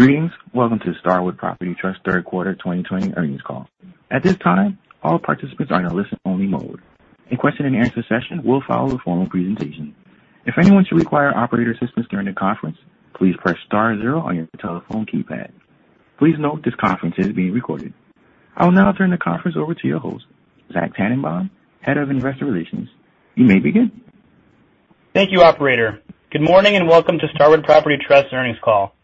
Greetings. Welcome to the Starwood Property Trust third quarter 2020 earnings call. At this time, all participants are in a listen-only mode. The question-and-answer session will follow a formal presentation. If anyone should require operator assistance during the conference, please press Star 0 on your telephone keypad. Please note this conference is being recorded. I will now turn the conference over to your host, Zach Tanenbaum, Head of Investor Relations. You may begin. Thank you, Operator. Good morning and welcome to Starwood Property Trust earnings call.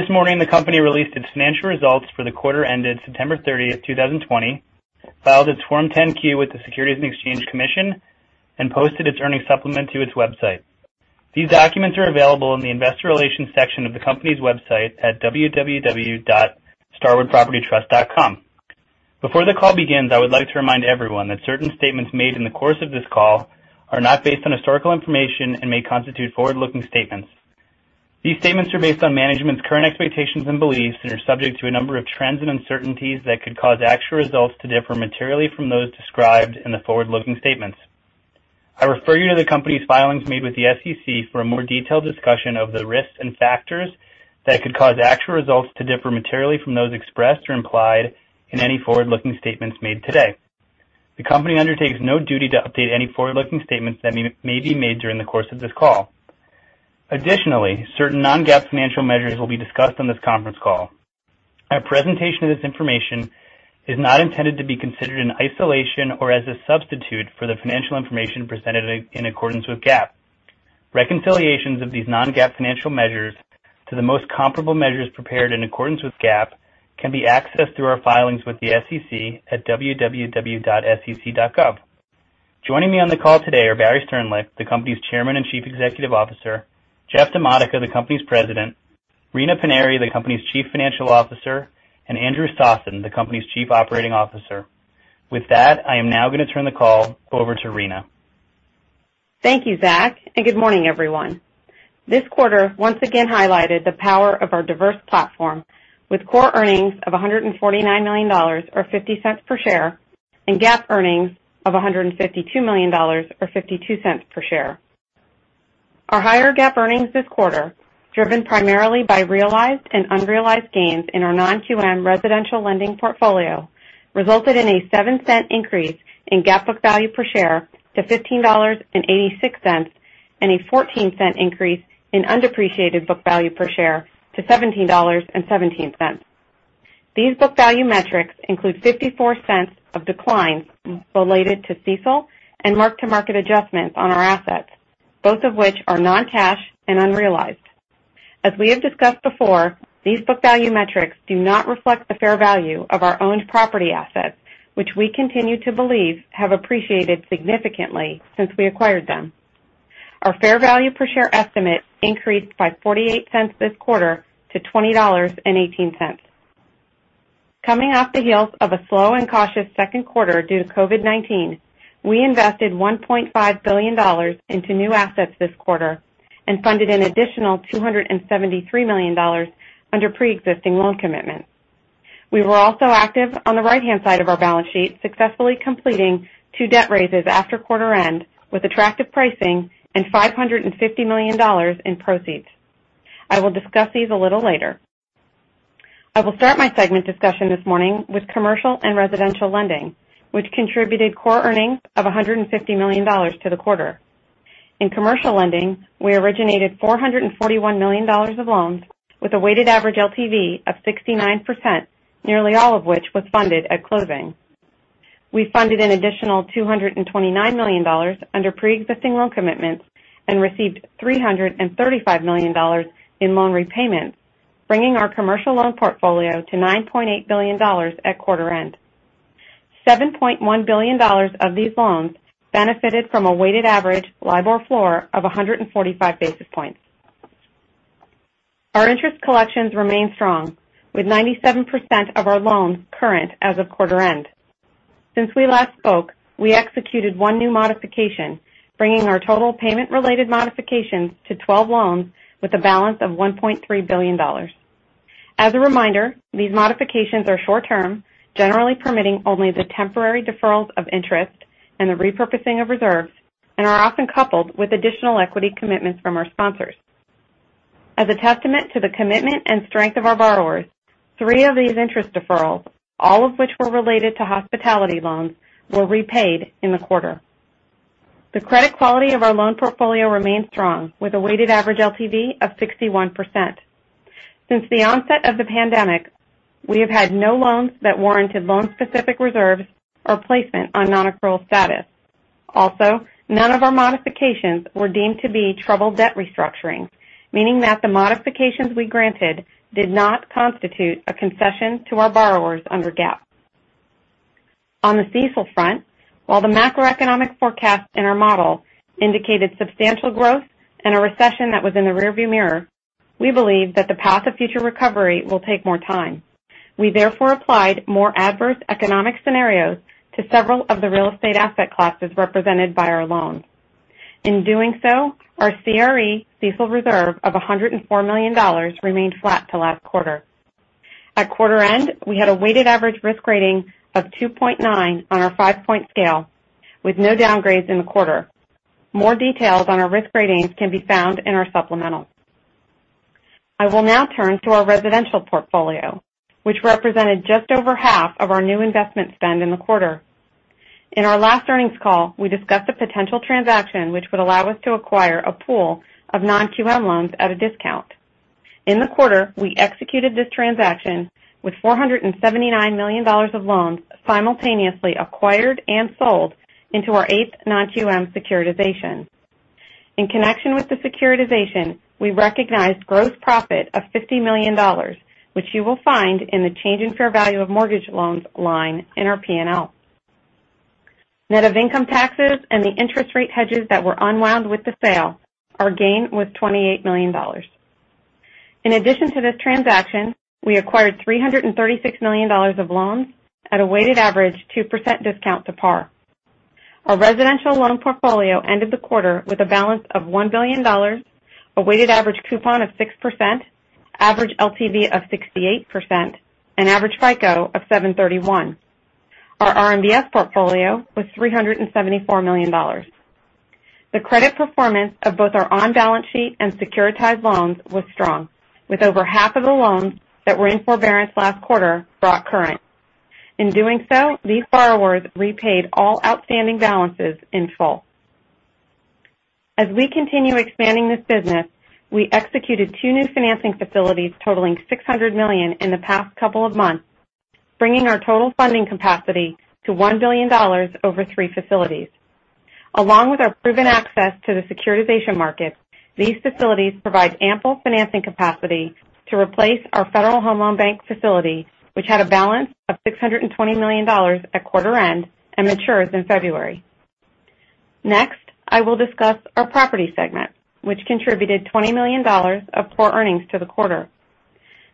This morning, the company released its financial results for the quarter ended September 30th, 2020, filed its Form 10-Q with the Securities and Exchange Commission, and posted its earnings supplement to its website. These documents are available in the investor relations section of the company's website at www.starwoodpropertytrust.com. Before the call begins, I would like to remind everyone that certain statements made in the course of this call are not based on historical information and may constitute forward-looking statements. These statements are based on management's current expectations and beliefs and are subject to a number of trends and uncertainties that could cause actual results to differ materially from those described in the forward-looking statements. I refer you to the company's filings made with the SEC for a more detailed discussion of the risks and factors that could cause actual results to differ materially from those expressed or implied in any forward-looking statements made today. The company undertakes no duty to update any forward-looking statements that may be made during the course of this call. Additionally, certain non-GAAP financial measures will be discussed on this conference call. A presentation of this information is not intended to be considered in isolation or as a substitute for the financial information presented in accordance with GAAP. Reconciliations of these non-GAAP financial measures to the most comparable measures prepared in accordance with GAAP can be accessed through our filings with the SEC at www.sec.gov. joining me on a call today barry sternlicht chief executive officer jeff dimodica, the company's president, rina paniry, the company's Chief Financial Officer, and andrew sossen, the company's chief operating officer. with that, i am now going to turn the call over to rina. Thank you, Zach, and good morning, everyone. This quarter once again highlighted the power of our diverse platform with core earnings of $149 million or $0.50 per share and GAAP earnings of $152 million or $0.52 per share. Our higher GAAP earnings this quarter, driven primarily by realized and unrealized gains in our non-QM residential lending portfolio, resulted in a $0.07 increase in GAAP book value per share to $15.86 and a $0.14 increase in undepreciated book value per share to $17.17. These book value metrics include $0.54 of declines related to CECL and mark-to-market adjustments on our assets, both of which are non-cash and unrealized. As we have discussed before, these book value metrics do not reflect the fair value of our owned property assets, which we continue to believe have appreciated significantly since we acquired them. Our fair value per share estimate increased by $0.48 this quarter to $20.18. Coming off the heels of a slow and cautious second quarter due to COVID-19, we invested $1.5 billion into new assets this quarter and funded an additional $273 million under pre-existing loan commitments. We were also active on the right-hand side of our balance sheet, successfully completing two debt raises after quarter end with attractive pricing and $550 million in proceeds. I will discuss these a little later. I will start my segment discussion this morning with commercial and residential lending, which contributed core earnings of $150 million to the quarter. In commercial lending, we originated $441 million of loans with a weighted average LTV of 69%, nearly all of which was funded at closing. We funded an additional $229 million under pre-existing loan commitments and received $335 million in loan repayments, bringing our commercial loan portfolio to $9.8 billion at quarter end. $7.1 billion of these loans benefited from a weighted average LIBOR floor of 145 basis points. Our interest collections remain strong, with 97% of our loans current as of quarter end. Since we last spoke, we executed one new modification, bringing our total payment-related modifications to 12 loans with a balance of $1.3 billion. As a reminder, these modifications are short-term, generally permitting only the temporary deferrals of interest and the repurposing of reserves, and are often coupled with additional equity commitments from our sponsors. As a testament to the commitment and strength of our borrowers, three of these interest deferrals, all of which were related to hospitality loans, were repaid in the quarter. The credit quality of our loan portfolio remains strong, with a weighted average LTV of 61%. Since the onset of the pandemic, we have had no loans that warranted loan-specific reserves or placement on non-accrual status. Also, none of our modifications were deemed to be troubled debt restructuring, meaning that the modifications we granted did not constitute a concession to our borrowers under GAAP. On the CECL front, while the macroeconomic forecast in our model indicated substantial growth and a recession that was in the rearview mirror, we believe that the path of future recovery will take more time. We therefore applied more adverse economic scenarios to several of the real estate asset classes represented by our loans. In doing so, our CRE CECL reserve of $104 million remained flat to last quarter. At quarter end, we had a weighted average risk rating of 2.9 on our five-point scale, with no downgrades in the quarter. More details on our risk ratings can be found in our supplemental. I will now turn to our residential portfolio, which represented just over half of our new investment spend in the quarter. In our last earnings call, we discussed a potential transaction which would allow us to acquire a pool of non-QM loans at a discount. In the quarter, we executed this transaction with $479 million of loans simultaneously acquired and sold into our eighth non-QM securitization. In connection with the securitization, we recognized gross profit of $50 million, which you will find in the change in fair value of mortgage loans line in our P&L. Net of income taxes and the interest rate hedges that were unwound with the sale, a gain of $28 million. In addition to this transaction, we acquired $336 million of loans at a weighted average 2% discount to par. Our residential loan portfolio ended the quarter with a balance of $1 billion, a weighted average coupon of 6%, average LTV of 68%, and average FICO of 731. Our RMBS portfolio was $374 million. The credit performance of both our on-balance sheet and securitized loans was strong, with over half of the loans that were in forbearance last quarter brought current. In doing so, these borrowers repaid all outstanding balances in full. As we continue expanding this business, we executed two new financing facilities totaling $600 million in the past couple of months, bringing our total funding capacity to $1 billion over three facilities. Along with our proven access to the securitization market, these facilities provide ample financing capacity to replace our Federal Home Loan Bank facility, which had a balance of $620 million at quarter end and matures in February. Next, I will discuss our property segment, which contributed $20 million of core earnings to the quarter.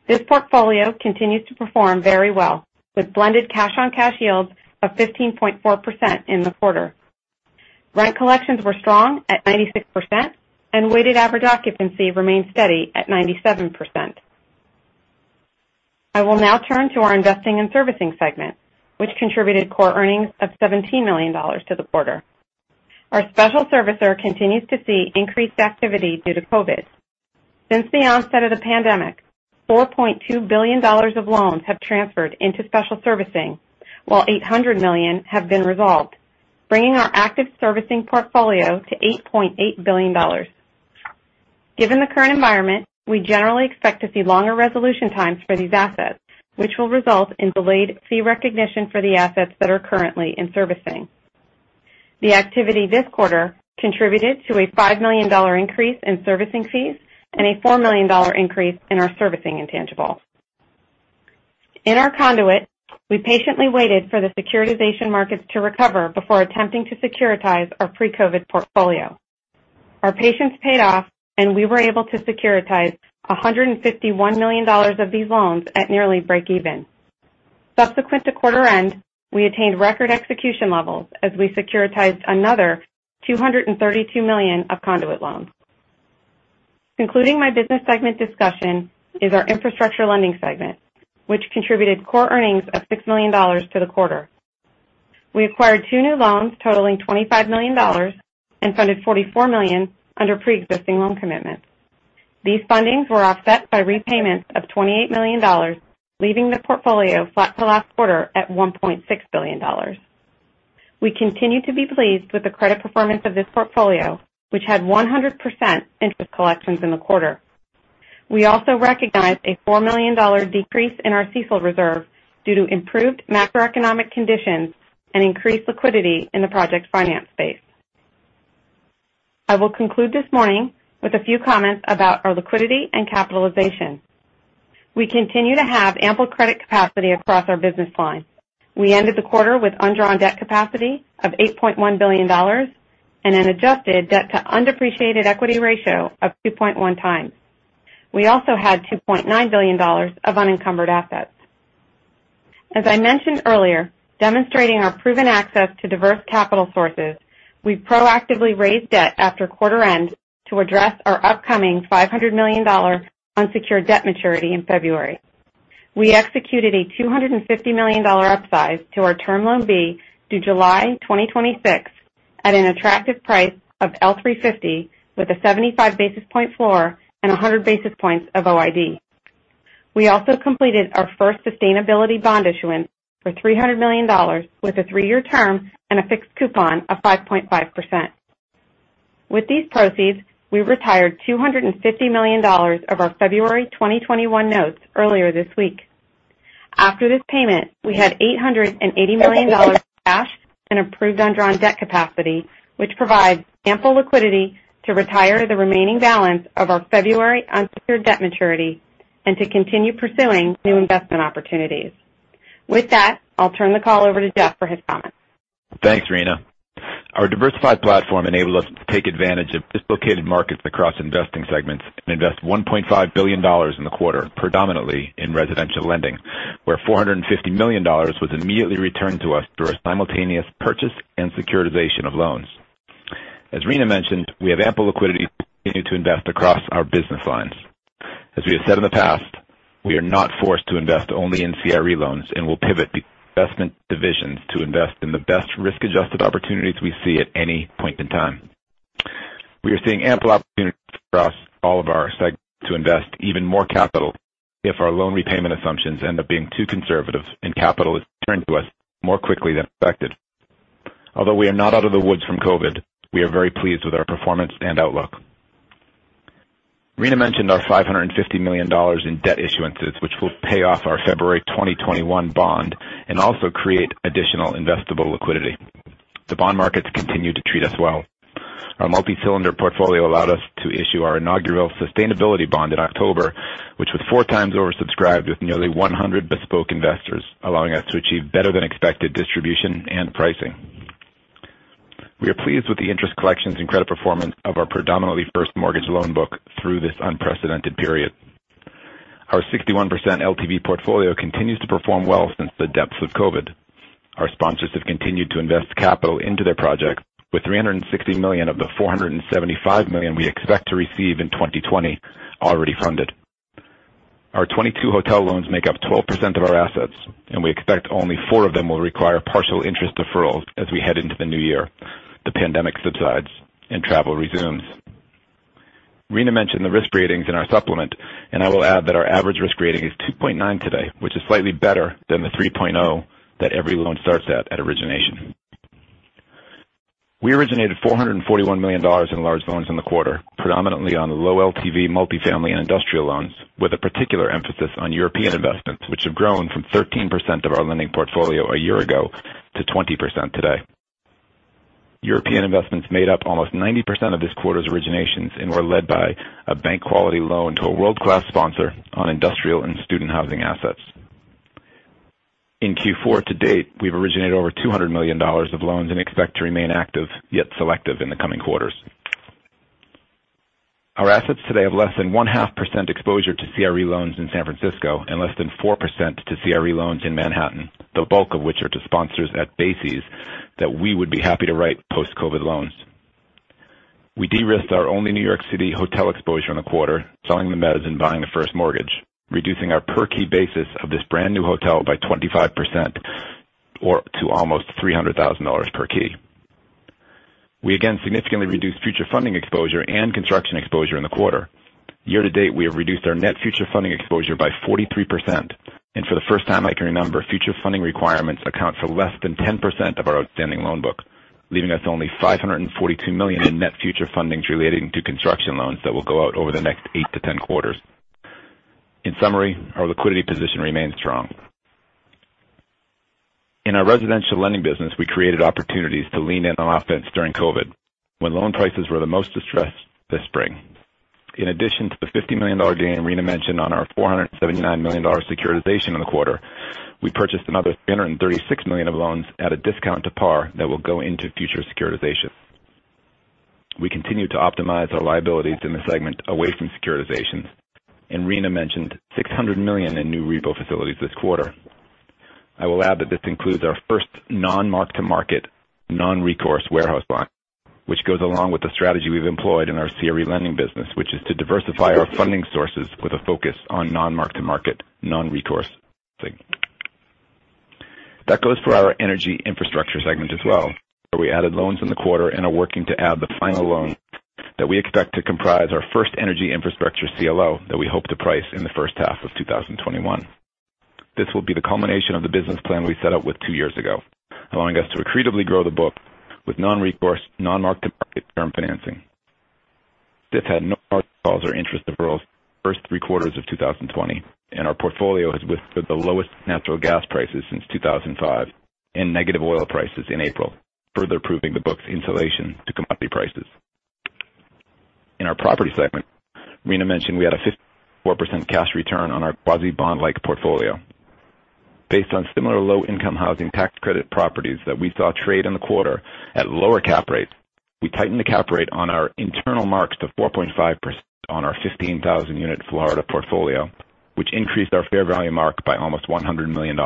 This portfolio continues to perform very well, with blended cash-on-cash yields of 15.4% in the quarter. Rent collections were strong at 96%, and weighted average occupancy remained steady at 97%. I will now turn to our investing and servicing segment, which contributed core earnings of $17 million to the quarter. Our special servicer continues to see increased activity due to COVID. Since the onset of the pandemic, $4.2 billion of loans have transferred into special servicing, while $800 million have been resolved, bringing our active servicing portfolio to $8.8 billion. Given the current environment, we generally expect to see longer resolution times for these assets, which will result in delayed fee recognition for the assets that are currently in servicing. The activity this quarter contributed to a $5 million increase in servicing fees and a $4 million increase in our servicing intangible. In our conduit, we patiently waited for the securitization markets to recover before attempting to securitize our pre-COVID portfolio. Our patience paid off, and we were able to securitize $151 million of these loans at nearly break-even. Subsequent to quarter end, we attained record execution levels as we securitized another $232 million of conduit loans. Concluding my business segment discussion is our infrastructure lending segment, which contributed core earnings of $6 million to the quarter. We acquired two new loans totaling $25 million and funded $44 million under pre-existing loan commitments. These fundings were offset by repayments of $28 million, leaving the portfolio flat to last quarter at $1.6 billion. We continue to be pleased with the credit performance of this portfolio, which had 100% interest collections in the quarter. We also recognize a $4 million decrease in our CECL reserve due to improved macroeconomic conditions and increased liquidity in the project finance space. I will conclude this morning with a few comments about our liquidity and capitalization. We continue to have ample credit capacity across our business line. We ended the quarter with undrawn debt capacity of $8.1 billion and an adjusted debt-to-undepreciated equity ratio of 2.1 times. We also had $2.9 billion of unencumbered assets. As I mentioned earlier, demonstrating our proven access to diverse capital sources, we proactively raised debt after quarter end to address our upcoming $500 million unsecured debt maturity in February. We executed a upsized Term Loan B due July 2026 at an attractive price of L+350 with a 75 basis point floor and 100 basis points of OID. We also completed our first sustainability bond issuance for $300 million with a three-year term and a fixed coupon of 5.5%. With these proceeds, we retired $250 million of our February 2021 notes earlier this week. After this payment, we had $880 million cash and improved undrawn debt capacity, which provides ample liquidity to retire the remaining balance of our February unsecured debt maturity and to continue pursuing new investment opportunities. With that, I'll turn the call over to Jeff for his comments. Thanks, Rina. Our diversified platform enabled us to take advantage of dislocated markets across investing segments and invest $1.5 billion in the quarter, predominantly in residential lending, where $450 million was immediately returned to us through our simultaneous purchase and securitization of loans. As Rina mentioned, we have ample liquidity to continue to invest across our business lines. As we have said in the past, we are not forced to invest only in CRE loans and will pivot investment divisions to invest in the best risk-adjusted opportunities we see at any point in time. We are seeing ample opportunity across all of our segments to invest even more capital if our loan repayment assumptions end up being too conservative and capital is returned to us more quickly than expected. Although we are not out of the woods from COVID, we are very pleased with our performance and outlook. Rina mentioned our $550 million in debt issuances, which will pay off our February 2021 bond and also create additional investable liquidity. The bond markets continue to treat us well. Our multi-cylinder portfolio allowed us to issue our inaugural sustainability bond in October, which was four times oversubscribed with nearly 100 bespoke investors, allowing us to achieve better-than-expected distribution and pricing. We are pleased with the interest collections and credit performance of our predominantly first mortgage loan book through this unprecedented period. Our 61% LTV portfolio continues to perform well since the depths of COVID. Our sponsors have continued to invest capital into their projects, with $360 million of the $475 million we expect to receive in 2020 already funded. Our 22 hotel loans make up 12% of our assets, and we expect only four of them will require partial interest deferrals as we head into the new year. The pandemic subsides and travel resumes. Rina mentioned the risk ratings in our supplement, and I will add that our average risk rating is 2.9 today, which is slightly better than the 3.0 that every loan starts at origination. We originated $441 million in large loans in the quarter, predominantly on low LTV multifamily and industrial loans, with a particular emphasis on European investments, which have grown from 13% of our lending portfolio a year ago to 20% today. European investments made up almost 90% of this quarter's originations and were led by a bank-quality loan to a world-class sponsor on industrial and student housing assets. In Q4 to date, we've originated over $200 million of loans and expect to remain active, yet selective, in the coming quarters. Our assets today have less than 0.5% exposure to CRE loans in San Francisco and less than 4% to CRE loans in Manhattan, the bulk of which are to sponsors at bases that we would be happy to write post-COVID loans. We de-risked our only New York City hotel exposure in the quarter, selling the mezz and buying the first mortgage, reducing our per-key basis of this brand new hotel by 25% to almost $300,000 per key. We again significantly reduced future funding exposure and construction exposure in the quarter. Year to date, we have reduced our net future funding exposure by 43%, and for the first time I can remember, future funding requirements account for less than 10% of our outstanding loan book, leaving us only $542 million in net future fundings relating to construction loans that will go out over the next 8-10 quarters. In summary, our liquidity position remains strong. In our residential lending business, we created opportunities to lean in on offense during COVID, when loan prices were the most distressed this spring. In addition to the $50 million gain Rina mentioned on our $479 million securitization in the quarter, we purchased another $336 million of loans at a discount to par that will go into future securitization. We continue to optimize our liabilities in the segment away from securitization, and Rina mentioned $600 million in new repo facilities this quarter. I will add that this includes our first non-mark-to-market, non-recourse warehouse line, which goes along with the strategy we've employed in our CRE lending business, which is to diversify our funding sources with a focus on non-mark-to-market, non-recourse funding. That goes for our energy infrastructure segment as well, where we added loans in the quarter and are working to add the final loan that we expect to comprise our first energy infrastructure CLO that we hope to price in the first half of 2021. This will be the culmination of the business plan we set up with two years ago, allowing us to accretively grow the book with non-recourse, non-mark-to-market term financing. This had no adversities or interest deferrals in the first three quarters of 2020, and our portfolio has withstood the lowest natural gas prices since 2005 and negative oil prices in April, further proving the book's insulation to commodity prices. In our property segment, Rina mentioned we had a 54% cash return on our quasi-bond-like portfolio. Based on similar low-income housing tax credit properties that we saw trade in the quarter at lower cap rates, we tightened the cap rate on our internal marks to 4.5% on our 15,000-unit Florida portfolio, which increased our fair value mark by almost $100 million.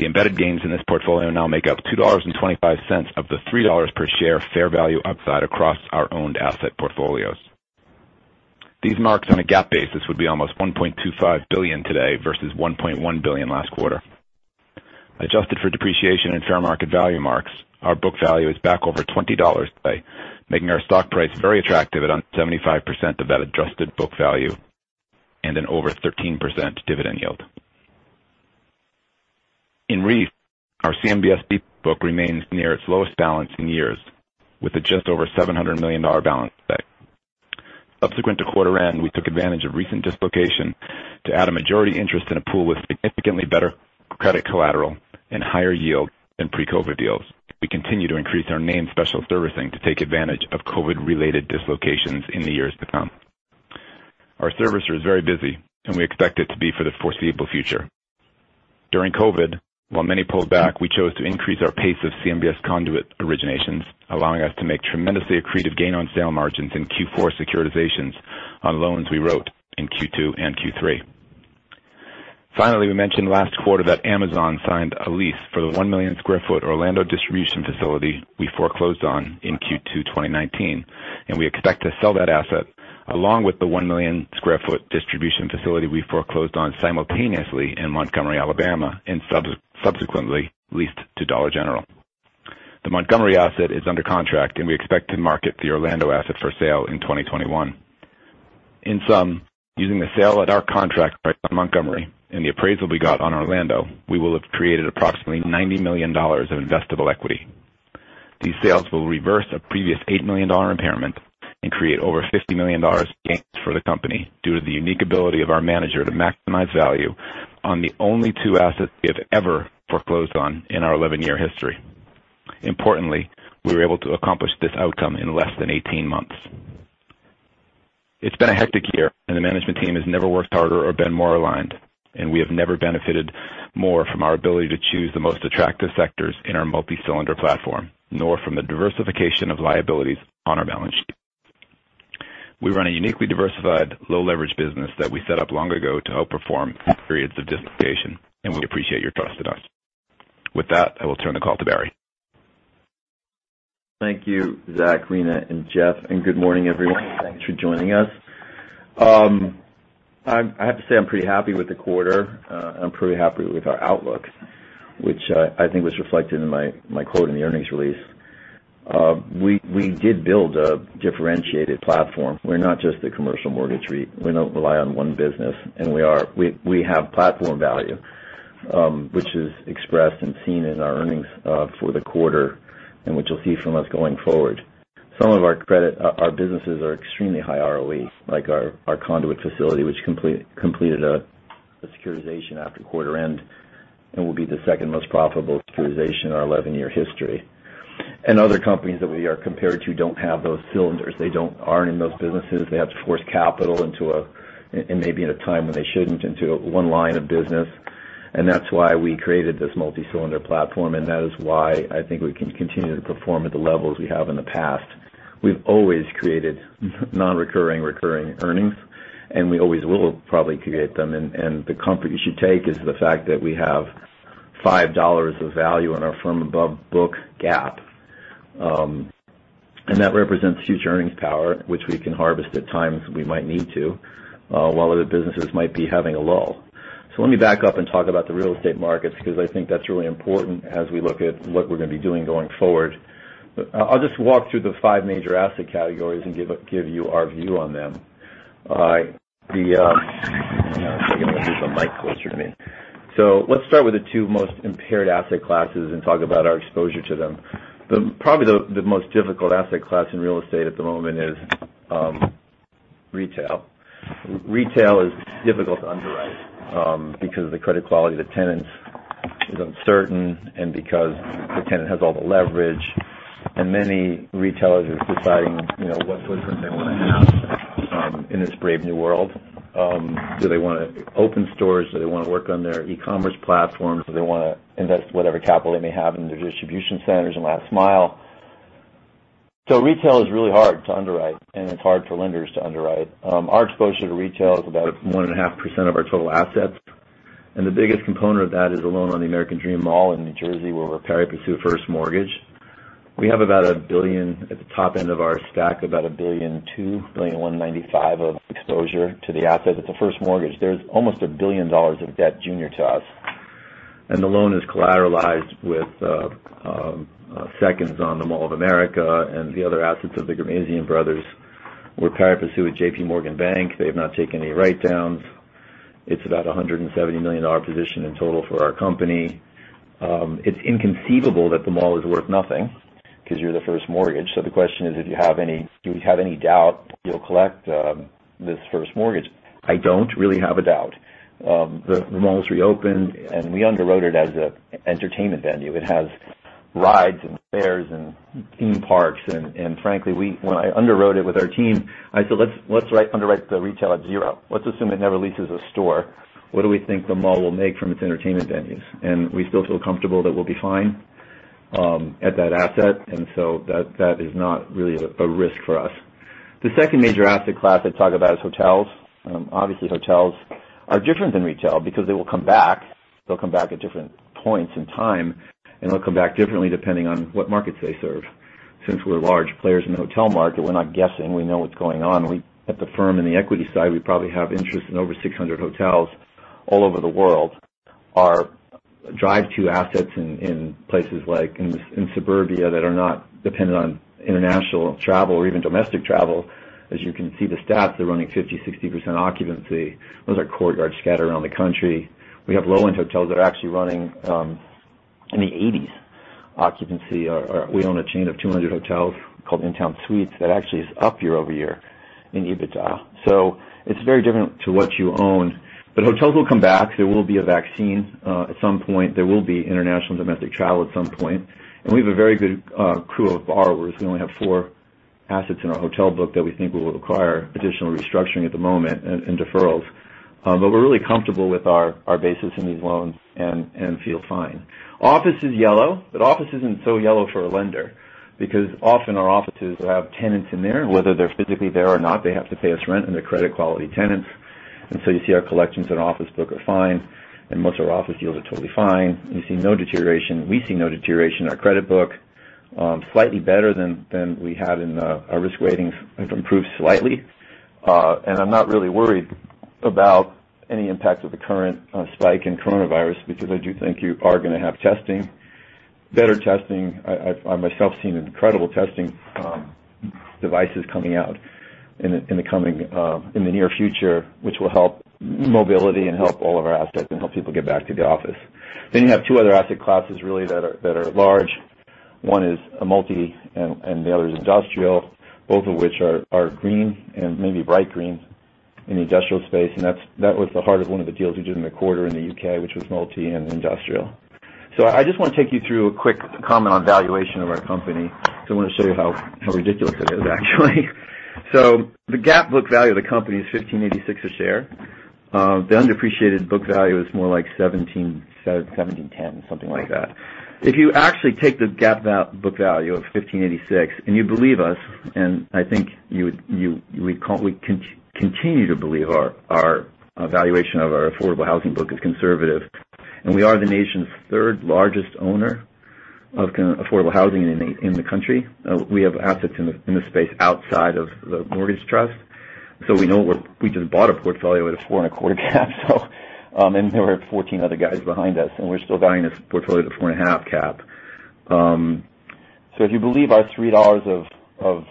The embedded gains in this portfolio now make up $2.25 of the $3 per share fair value upside across our owned asset portfolios. These marks on a GAAP basis would be almost $1.25 billion today versus $1.1 billion last quarter. Adjusted for depreciation and fair market value marks, our book value is back over $20 today, making our stock price very attractive at under 75% of that adjusted book value and an over 13% dividend yield. In recent years, our CMBS book remains near its lowest balance in years, with a just over $700 million balance today. Subsequent to quarter end, we took advantage of recent dislocation to add a majority interest in a pool with significantly better credit collateral and higher yield than pre-COVID deals. We continue to increase our named special servicing to take advantage of COVID-related dislocations in the years to come. Our servicer is very busy, and we expect it to be for the foreseeable future. During COVID, while many pulled back, we chose to increase our pace of CMBS conduit originations, allowing us to make tremendously accretive gain-on-sale margins in Q4 securitizations on loans we wrote in Q2 and Q3. Finally, we mentioned last quarter that Amazon signed a lease for the 1 million sq ft Orlando distribution facility we foreclosed on in Q2 2019, and we expect to sell that asset along with the 1 million sq ft distribution facility we foreclosed on simultaneously in Montgomery, Alabama, and subsequently leased to Dollar General. The Montgomery asset is under contract, and we expect to market the Orlando asset for sale in 2021. In sum, using the sale at our contract price on Montgomery and the appraisal we got on Orlando, we will have created approximately $90 million of investable equity. These sales will reverse a previous $8 million impairment and create over $50 million gains for the company due to the unique ability of our manager to maximize value on the only two assets we have ever foreclosed on in our 11-year history. Importantly, we were able to accomplish this outcome in less than 18 months. It's been a hectic year, and the management team has never worked harder or been more aligned, and we have never benefited more from our ability to choose the most attractive sectors in our multi-cylinder platform, nor from the diversification of liabilities on our balance sheet. We run a uniquely diversified, low-leverage business that we set up long ago to outperform periods of dislocation, and we appreciate your trust in us. With that, I will turn the call to Barry. Thank you, Zach, Rina, and Jeff, and good morning, everyone. Thanks for joining us. I have to say I'm pretty happy with the quarter, and I'm pretty happy with our outlook, which I think was reflected in my quote in the earnings release. We did build a differentiated platform. We're not just a commercial mortgage REIT. We don't rely on one business, and we have platform value, which is expressed and seen in our earnings for the quarter and which you'll see from us going forward. Some of our businesses are extremely high ROE, like our conduit facility, which completed a securitization after quarter end and will be the second most profitable securitization in our 11-year history, and other companies that we are compared to don't have those cylinders. They don't arm those businesses. They have to force capital into a, and maybe at a time when they shouldn't, into one line of business. And that's why we created this multi-cylinder platform, and that is why I think we can continue to perform at the levels we have in the past. We've always created non-recurring, recurring earnings, and we always will probably create them. And the comfort you should take is the fact that we have $5 of value in our firm above book gap. And that represents future earnings power, which we can harvest at times we might need to, while other businesses might be having a lull. So let me back up and talk about the real estate markets because I think that's really important as we look at what we're going to be doing going forward. I'll just walk through the five major asset categories and give you our view on them. Hang on a second. I'm going to move the mic closer to me. So let's start with the two most impaired asset classes and talk about our exposure to them. Probably the most difficult asset class in real estate at the moment is retail. Retail is difficult to underwrite because of the credit quality of the tenants, is uncertain, and because the tenant has all the leverage. And many retailers are deciding what footprint they want to have in this brave new world. Do they want to open stores? Do they want to work on their e-commerce platforms? Do they want to invest whatever capital they may have in their distribution centers and last mile? So retail is really hard to underwrite, and it's hard for lenders to underwrite. Our exposure to retail is about 1.5% of our total assets, and the biggest component of that is a loan on the American Dream Mall in New Jersey, where we're participating in a first mortgage. We have about $1 billion at the top end of our stack, about $2 billion $195 million of exposure to the asset. It's a first mortgage. There's almost $1 billion of debt junior to us, and the loan is collateralized with seconds on the Mall of America and the other assets of the Ghermezian Brothers. We're participating with JPMorgan. They have not taken any write-downs. It's about a $170 million position in total for our company. It's inconceivable that the mall is worth nothing because you're the first mortgage, so the question is, do you have any doubt you'll collect this first mortgage? I don't really have a doubt. The mall was reopened, and we underwrote it as an entertainment venue. It has rides and fairs and theme parks. And frankly, when I underwrote it with our team, I said, "Let's underwrite the retail at zero. Let's assume it never leases a store. What do we think the mall will make from its entertainment venues?" And we still feel comfortable that we'll be fine at that asset. And so that is not really a risk for us. The second major asset class I'd talk about is hotels. Obviously, hotels are different than retail because they will come back. They'll come back at different points in time, and they'll come back differently depending on what markets they serve. Since we're large players in the hotel market, we're not guessing. We know what's going on. At the firm and the equity side, we probably have interest in over 600 hotels all over the world. Our drive-to assets in places like in suburbia that are not dependent on international travel or even domestic travel, as you can see the stats, they're running 50%-60% occupancy. Those are Courtyards scattered around the country. We have low-end hotels that are actually running 80% occupancy. We own a chain of 200 hotels called InTown Suites that actually is up year over year in EBITDA, so it's very different to what you own, but hotels will come back. There will be a vaccine at some point. There will be international and domestic travel at some point, and we have a very good crew of borrowers. We only have four assets in our hotel book that we think will require additional restructuring at the moment and deferrals. But we're really comfortable with our basis in these loans and feel fine. Office is yellow, but office isn't so yellow for a lender because often our offices have tenants in there. Whether they're physically there or not, they have to pay us rent and they're credit-quality tenants. And so you see our collections in our office book are fine, and most of our office deals are totally fine. We see no deterioration. We see no deterioration in our credit book. Slightly better than we had in our risk ratings. It improved slightly. And I'm not really worried about any impact of the current spike in coronavirus because I do think you are going to have testing. Better testing. I myself seen incredible testing devices coming out in the near future, which will help mobility and help all of our assets and help people get back to the office. You have two other asset classes really that are large. One is a multi, and the other is industrial, both of which are green and maybe bright green in the industrial space. That was the heart of one of the deals we did in the quarter in the U.K., which was multi and industrial. I just want to take you through a quick comment on valuation of our company. I want to show you how ridiculous it is, actually. The GAAP book value of the company is $1,586 a share. The underappreciated book value is more like $1,710, something like that. If you actually take the GAAP book value of $1,586 and you believe us, I think we continue to believe our valuation of our affordable housing book is conservative. We are the nation's third largest owner of affordable housing in the country. We have assets in the space outside of the mortgage trust. So we just bought a portfolio at a 4.25 cap. And there were 14 other guys behind us, and we're still valuing this portfolio at a 4.5 cap. So if you believe our $3 of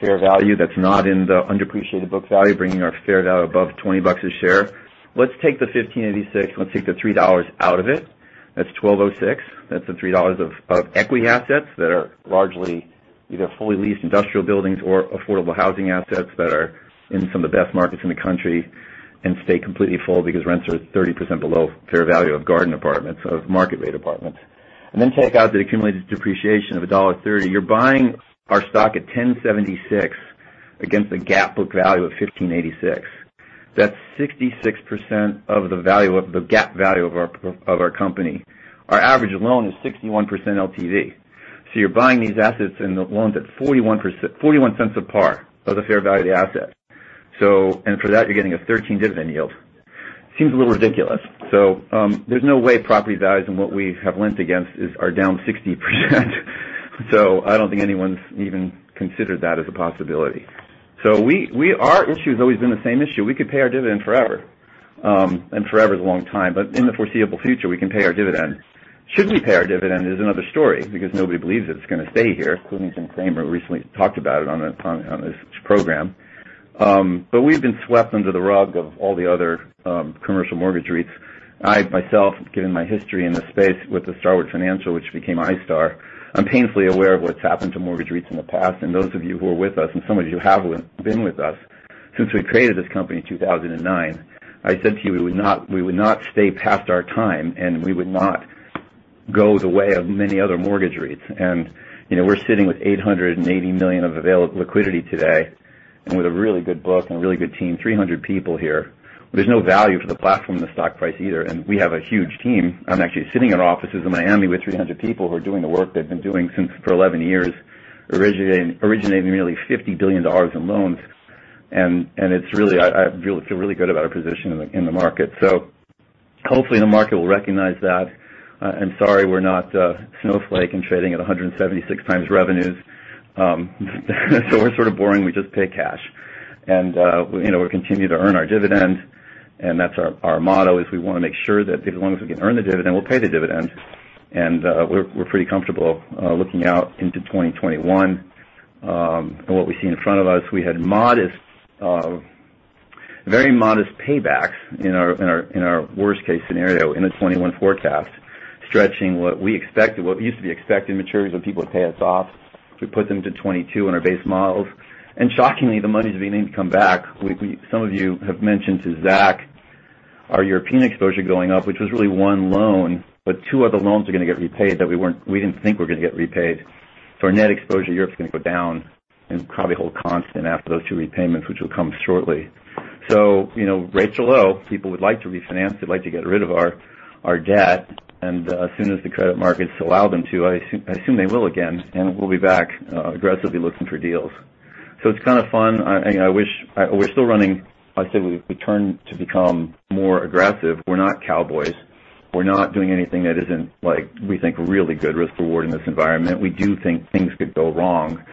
fair value that's not in the underappreciated book value, bringing our fair value above 20 bucks a share, let's take the $15.86. Let's take the $3 out of it. That's $12.86. That's the $3 of equity assets that are largely either fully leased industrial buildings or affordable housing assets that are in some of the best markets in the country and stay completely full because rents are 30% below fair value of garden apartments, of market-rate apartments. And then take out the accumulated depreciation of $1.30. You're buying our stock at $1,076 against a GAAP book value of $1,586. That's 66% of the GAAP value of our company. Our average loan is 61% LTV. So you're buying these assets and the loans at 41% of the fair value of the asset. And for that, you're getting a 13% dividend yield. Seems a little ridiculous. So there's no way property values and what we have lent against are down 60%. So I don't think anyone's even considered that as a possibility. So our issue has always been the same issue. We could pay our dividend forever. And forever is a long time. But in the foreseeable future, we can pay our dividend. Should we pay our dividend is another story because nobody believes it's going to stay here. Quintanilla and Cramer recently talked about it on this program. But we've been swept under the rug of all the other commercial mortgage REITs. I, myself, given my history in the space with the Starwood Financial, which became iStar, I'm painfully aware of what's happened to mortgage REITs in the past. And those of you who are with us and some of you who have been with us since we created this company in 2009, I said to you we would not stay past our time, and we would not go the way of many other mortgage REITs. And we're sitting with $880 million of available liquidity today and with a really good book and a really good team, 300 people here. There's no value for the platform and the stock price either. And we have a huge team. I'm actually sitting in our offices in Miami with 300 people who are doing the work they've been doing for 11 years, originating nearly $50 billion in loans. And I feel really good about our position in the market. So hopefully the market will recognize that. I'm sorry we're not Snowflake and trading at 176 times revenues. So we're sort of boring. We just pay cash. And we'll continue to earn our dividend. And that's our motto is we want to make sure that as long as we can earn the dividend, we'll pay the dividend. And we're pretty comfortable looking out into 2021 and what we see in front of us. We had very modest paybacks in our worst-case scenario in the 2021 forecast, stretching what we expected, what used to be expected maturities when people would pay us off. We put them to 2022 on our base models. Shockingly, the money is beginning to come back. Some of you have mentioned to Zach our European exposure going up, which was really one loan, but two other loans are going to get repaid that we didn't think were going to get repaid. Our net exposure to Europe is going to go down and probably hold constant after those two repayments, which will come shortly. Rates are low. People would like to refinance. They'd like to get rid of our debt. As soon as the credit markets allow them to, I assume they will again. We'll be back aggressively looking for deals. It's kind of fun. I wish we're still running. I say we turn to become more aggressive. We're not cowboys. We're not doing anything that isn't like we think really good risk-reward in this environment. We do think things could go wrong.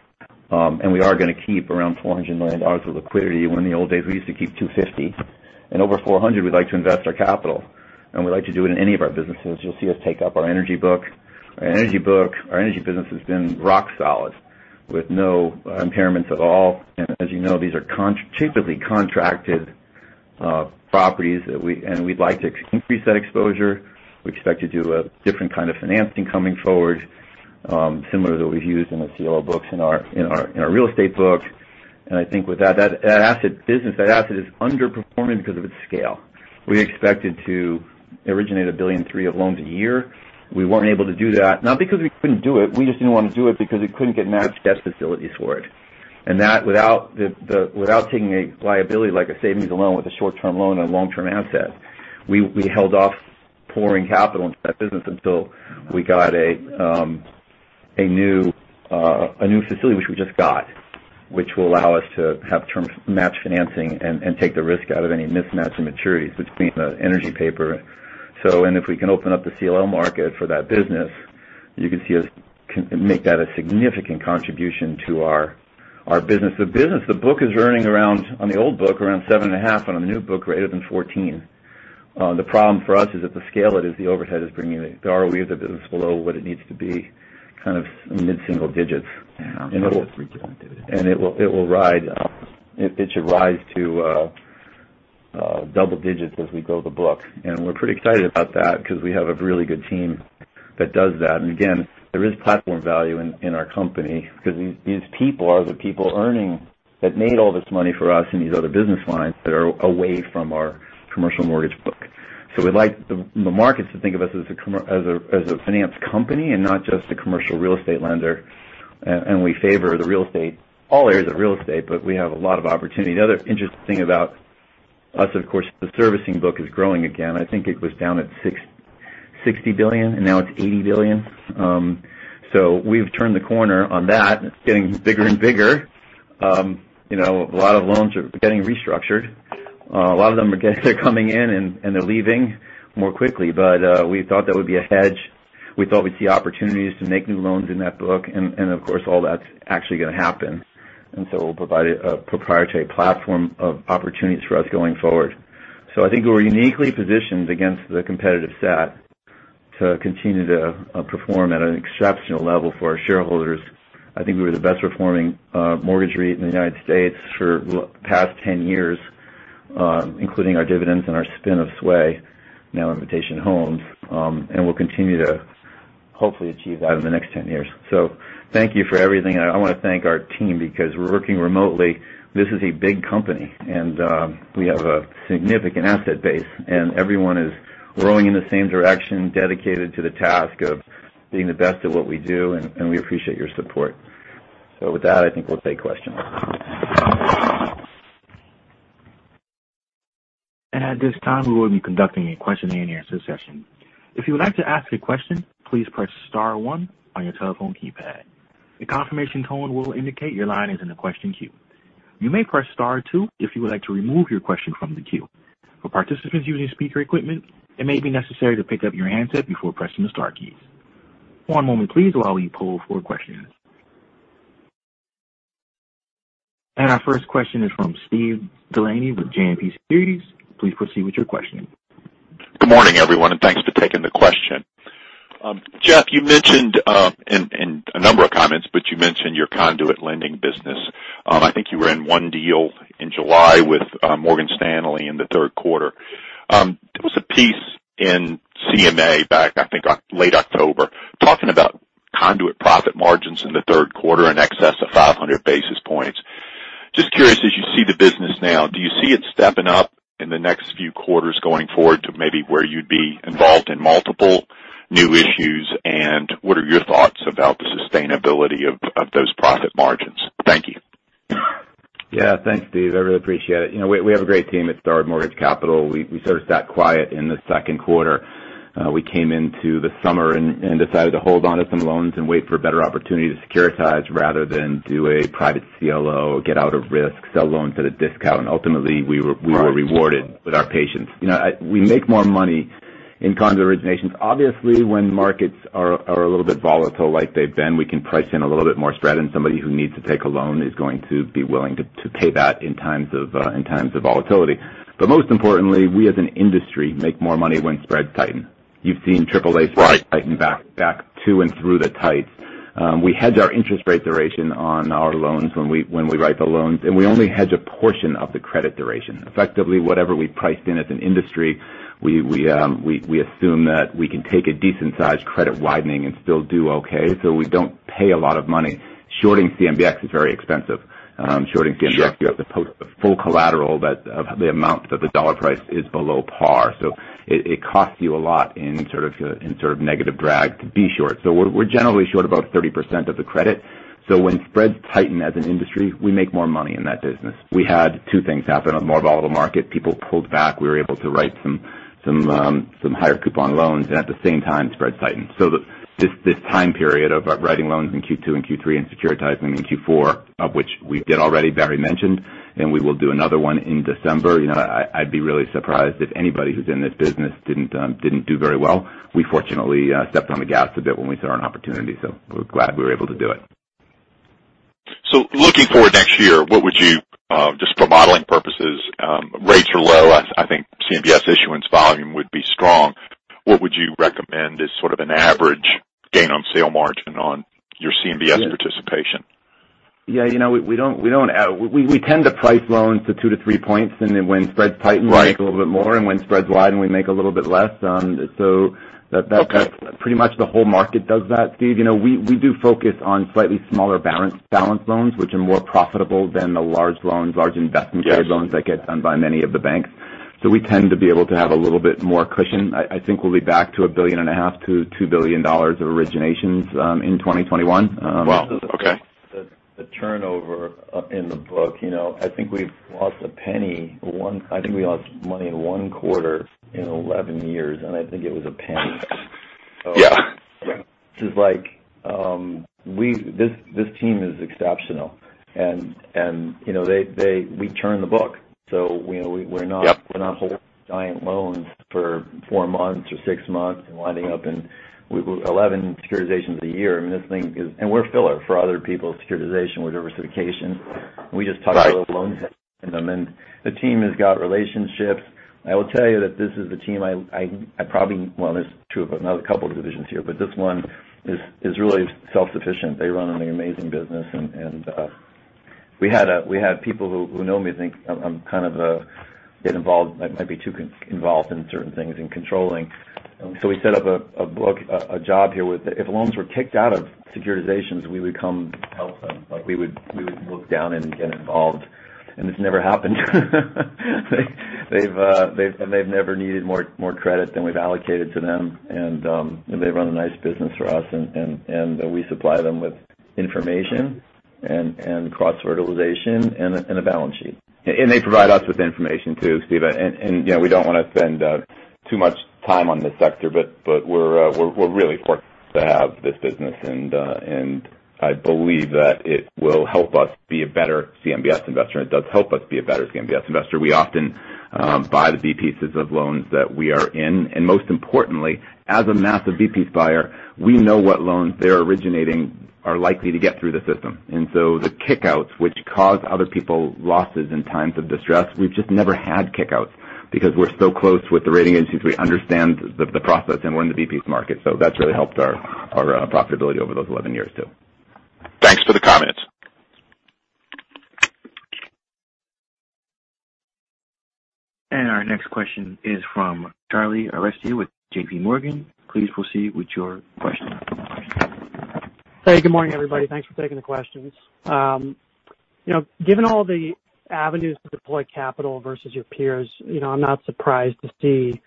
We are going to keep around $400 million of liquidity. In the old days we used to keep $250 million. Over $400 million, we'd like to invest our capital. We'd like to do it in any of our businesses. You'll see us take up our energy book. Our energy business has been rock solid with no impairments at all. As you know, these are typically contracted properties. We'd like to increase that exposure. We expect to do a different kind of financing going forward, similar to what we've used in the CLO books and our real estate books. I think with that, that asset business, that asset is underperforming because of its scale. We expected to originate $1.3 billion of loans a year. We weren't able to do that. Not because we couldn't do it. We just didn't want to do it because it couldn't get matched debt facilities for it. And that, without taking a liability like a savings and loan with a short-term loan and a long-term asset, we held off pouring capital into that business until we got a new facility, which we just got, which will allow us to have matched financing and take the risk out of any mismatch in maturities between the energy paper. And if we can open up the CLO market for that business, you can see us make that a significant contribution to our business. The book is earning around, on the old book, around 7.5, and on the new book, greater than 14. The problem for us is that the scale it is, the overhead is bringing the ROE of the business below what it needs to be, kind of mid-single digits. And it will ride. It should rise to double digits as we grow the book. And we're pretty excited about that because we have a really good team that does that. And again, there is platform value in our company because these people are the people earning that made all this money for us in these other business lines that are away from our commercial mortgage book. So we'd like the markets to think of us as a finance company and not just a commercial real estate lender. And we favor the real estate, all areas of real estate, but we have a lot of opportunity. The other interesting thing about us, of course, the servicing book is growing again. I think it was down at $60 billion, and now it's $80 billion. So we've turned the corner on that. It's getting bigger and bigger. A lot of loans are getting restructured. A lot of them are coming in, and they're leaving more quickly. But we thought that would be a hedge. We thought we'd see opportunities to make new loans in that book. And of course, all that's actually going to happen. And so we'll provide a proprietary platform of opportunities for us going forward. So I think we're uniquely positioned against the competitive set to continue to perform at an exceptional level for our shareholders. I think we were the best-performing mortgage REIT in the United States for the past 10 years, including our dividends and our spin of SWAY, now Invitation Homes. And we'll continue to hopefully achieve that in the next 10 years. So thank you for everything. And I want to thank our team because we're working remotely. This is a big company, and we have a significant asset base. And everyone is rowing in the same direction, dedicated to the task of being the best at what we do. And we appreciate your support. So with that, I think we'll take questions. At this time, we will be conducting a question and answer session. If you would like to ask a question, please press Star 1 on your telephone keypad. A confirmation tone will indicate your line is in the question queue. You may press Star 2 if you would like to remove your question from the queue. For participants using speaker equipment, it may be necessary to pick up your handset before pressing the Star keys. One moment, please, while we pull for questions. And our first question is from Steve Delaney with JMP Securities. Please proceed with your question. Good morning, everyone, and thanks for taking the question. Jeff, you mentioned in a number of comments, but you mentioned your conduit lending business. I think you were in one deal in July with Morgan Stanley in the third quarter. There was a piece in Commercial Mortgage Alert back, I think, late October, talking about conduit profit margins in the third quarter in excess of 500 basis points. Just curious, as you see the business now, do you see it stepping up in the next few quarters going forward to maybe where you'd be involved in multiple new issues? And what are your thoughts about the sustainability of those profit margins? Thank you. Yeah, thanks, Steve. I really appreciate it. We have a great team at Starwood Mortgage Capital. We sort of sat quiet in the second quarter. We came into the summer and decided to hold on to some loans and wait for a better opportunity to securitize rather than do a private CLO, get out of risk, sell loans at a discount. And ultimately, we were rewarded with our patience. We make more money in conduit originations. Obviously, when markets are a little bit volatile like they've been, we can price in a little bit more spread. And somebody who needs to take a loan is going to be willing to pay that in times of volatility. But most importantly, we as an industry make more money when spreads tighten. You've seen AAA spreads tighten back to and through the tights. We hedge our interest rate duration on our loans when we write the loans, and we only hedge a portion of the credit duration. Effectively, whatever we priced in as an industry, we assume that we can take a decent-sized credit widening and still do okay, so we don't pay a lot of money. Shorting CMBX is very expensive. Shorting CMBX, you have to post a full collateral of the amount that the dollar price is below par, so it costs you a lot in sort of negative drag to be short, so we're generally short about 30% of the credit, so when spreads tighten as an industry, we make more money in that business. We had two things happen: a more volatile market, people pulled back, we were able to write some higher coupon loans, and at the same time, spreads tightened. So this time period of writing loans in Q2 and Q3 and securitizing in Q4, of which we did already, Barry mentioned, and we will do another one in December. I'd be really surprised if anybody who's in this business didn't do very well. We fortunately stepped on the gas a bit when we saw an opportunity. So we're glad we were able to do it. Looking forward next year, what would you, just for modeling purposes, rates are low? I think CMBS issuance volume would be strong. What would you recommend as sort of an average gain on sale margin on your CMBS participation? Yeah, we tend to price loans to two to three points. And then when spreads tighten, we make a little bit more. And when spreads widen, we make a little bit less. So pretty much the whole market does that, Steve. We do focus on slightly smaller balance loans, which are more profitable than the large loans, large investment-grade loans that get done by many of the banks. So we tend to be able to have a little bit more cushion. I think we'll be back to $1.5 billion-$2 billion of originations in 2021. Wow. Okay. The turnover in the book, I think we've lost $0.01. I think we lost money in one quarter in 11 years. I think it was $0.01. Yeah. This team is exceptional, and we turn the book, so we're not holding giant loans for four months or six months and winding up in 11 securitizations a year. I mean, this thing is, and we're filler for other people's securitization with diversification. We just talk about loans and them, and the team has got relationships. I will tell you that this is the team I probably, well, there's two of them, not a couple of divisions here, but this one is really self-sufficient. They run an amazing business, and we had people who know me think I'm kind of getting involved. I might be too involved in certain things and controlling, so we set up a shop here with if loans were kicked out of securitizations, we would come help them. We would look down and get involved, and it's never happened. They've never needed more credit than we've allocated to them. And they run a nice business for us. And we supply them with information and cross-fertilization and a balance sheet. And they provide us with information too, Steve. And we don't want to spend too much time on this sector, but we're really fortunate to have this business. And I believe that it will help us be a better CMBS investor. It does help us be a better CMBS investor. We often buy the B pieces of loans that we are in. And most importantly, as a massive B piece buyer, we know what loans they're originating are likely to get through the system. And so the kickouts, which cause other people losses in times of distress, we've just never had kickouts because we're so close with the rating agencies. We understand the process, and we're in the B piece market, so that's really helped our profitability over those 11 years too. Thanks for the comments. Our next question is from Charlie Aresti with JP Morgan. Please proceed with your question. Hey, good morning, everybody. Thanks for taking the questions. Given all the avenues to deploy capital versus your peers, I'm not surprised to see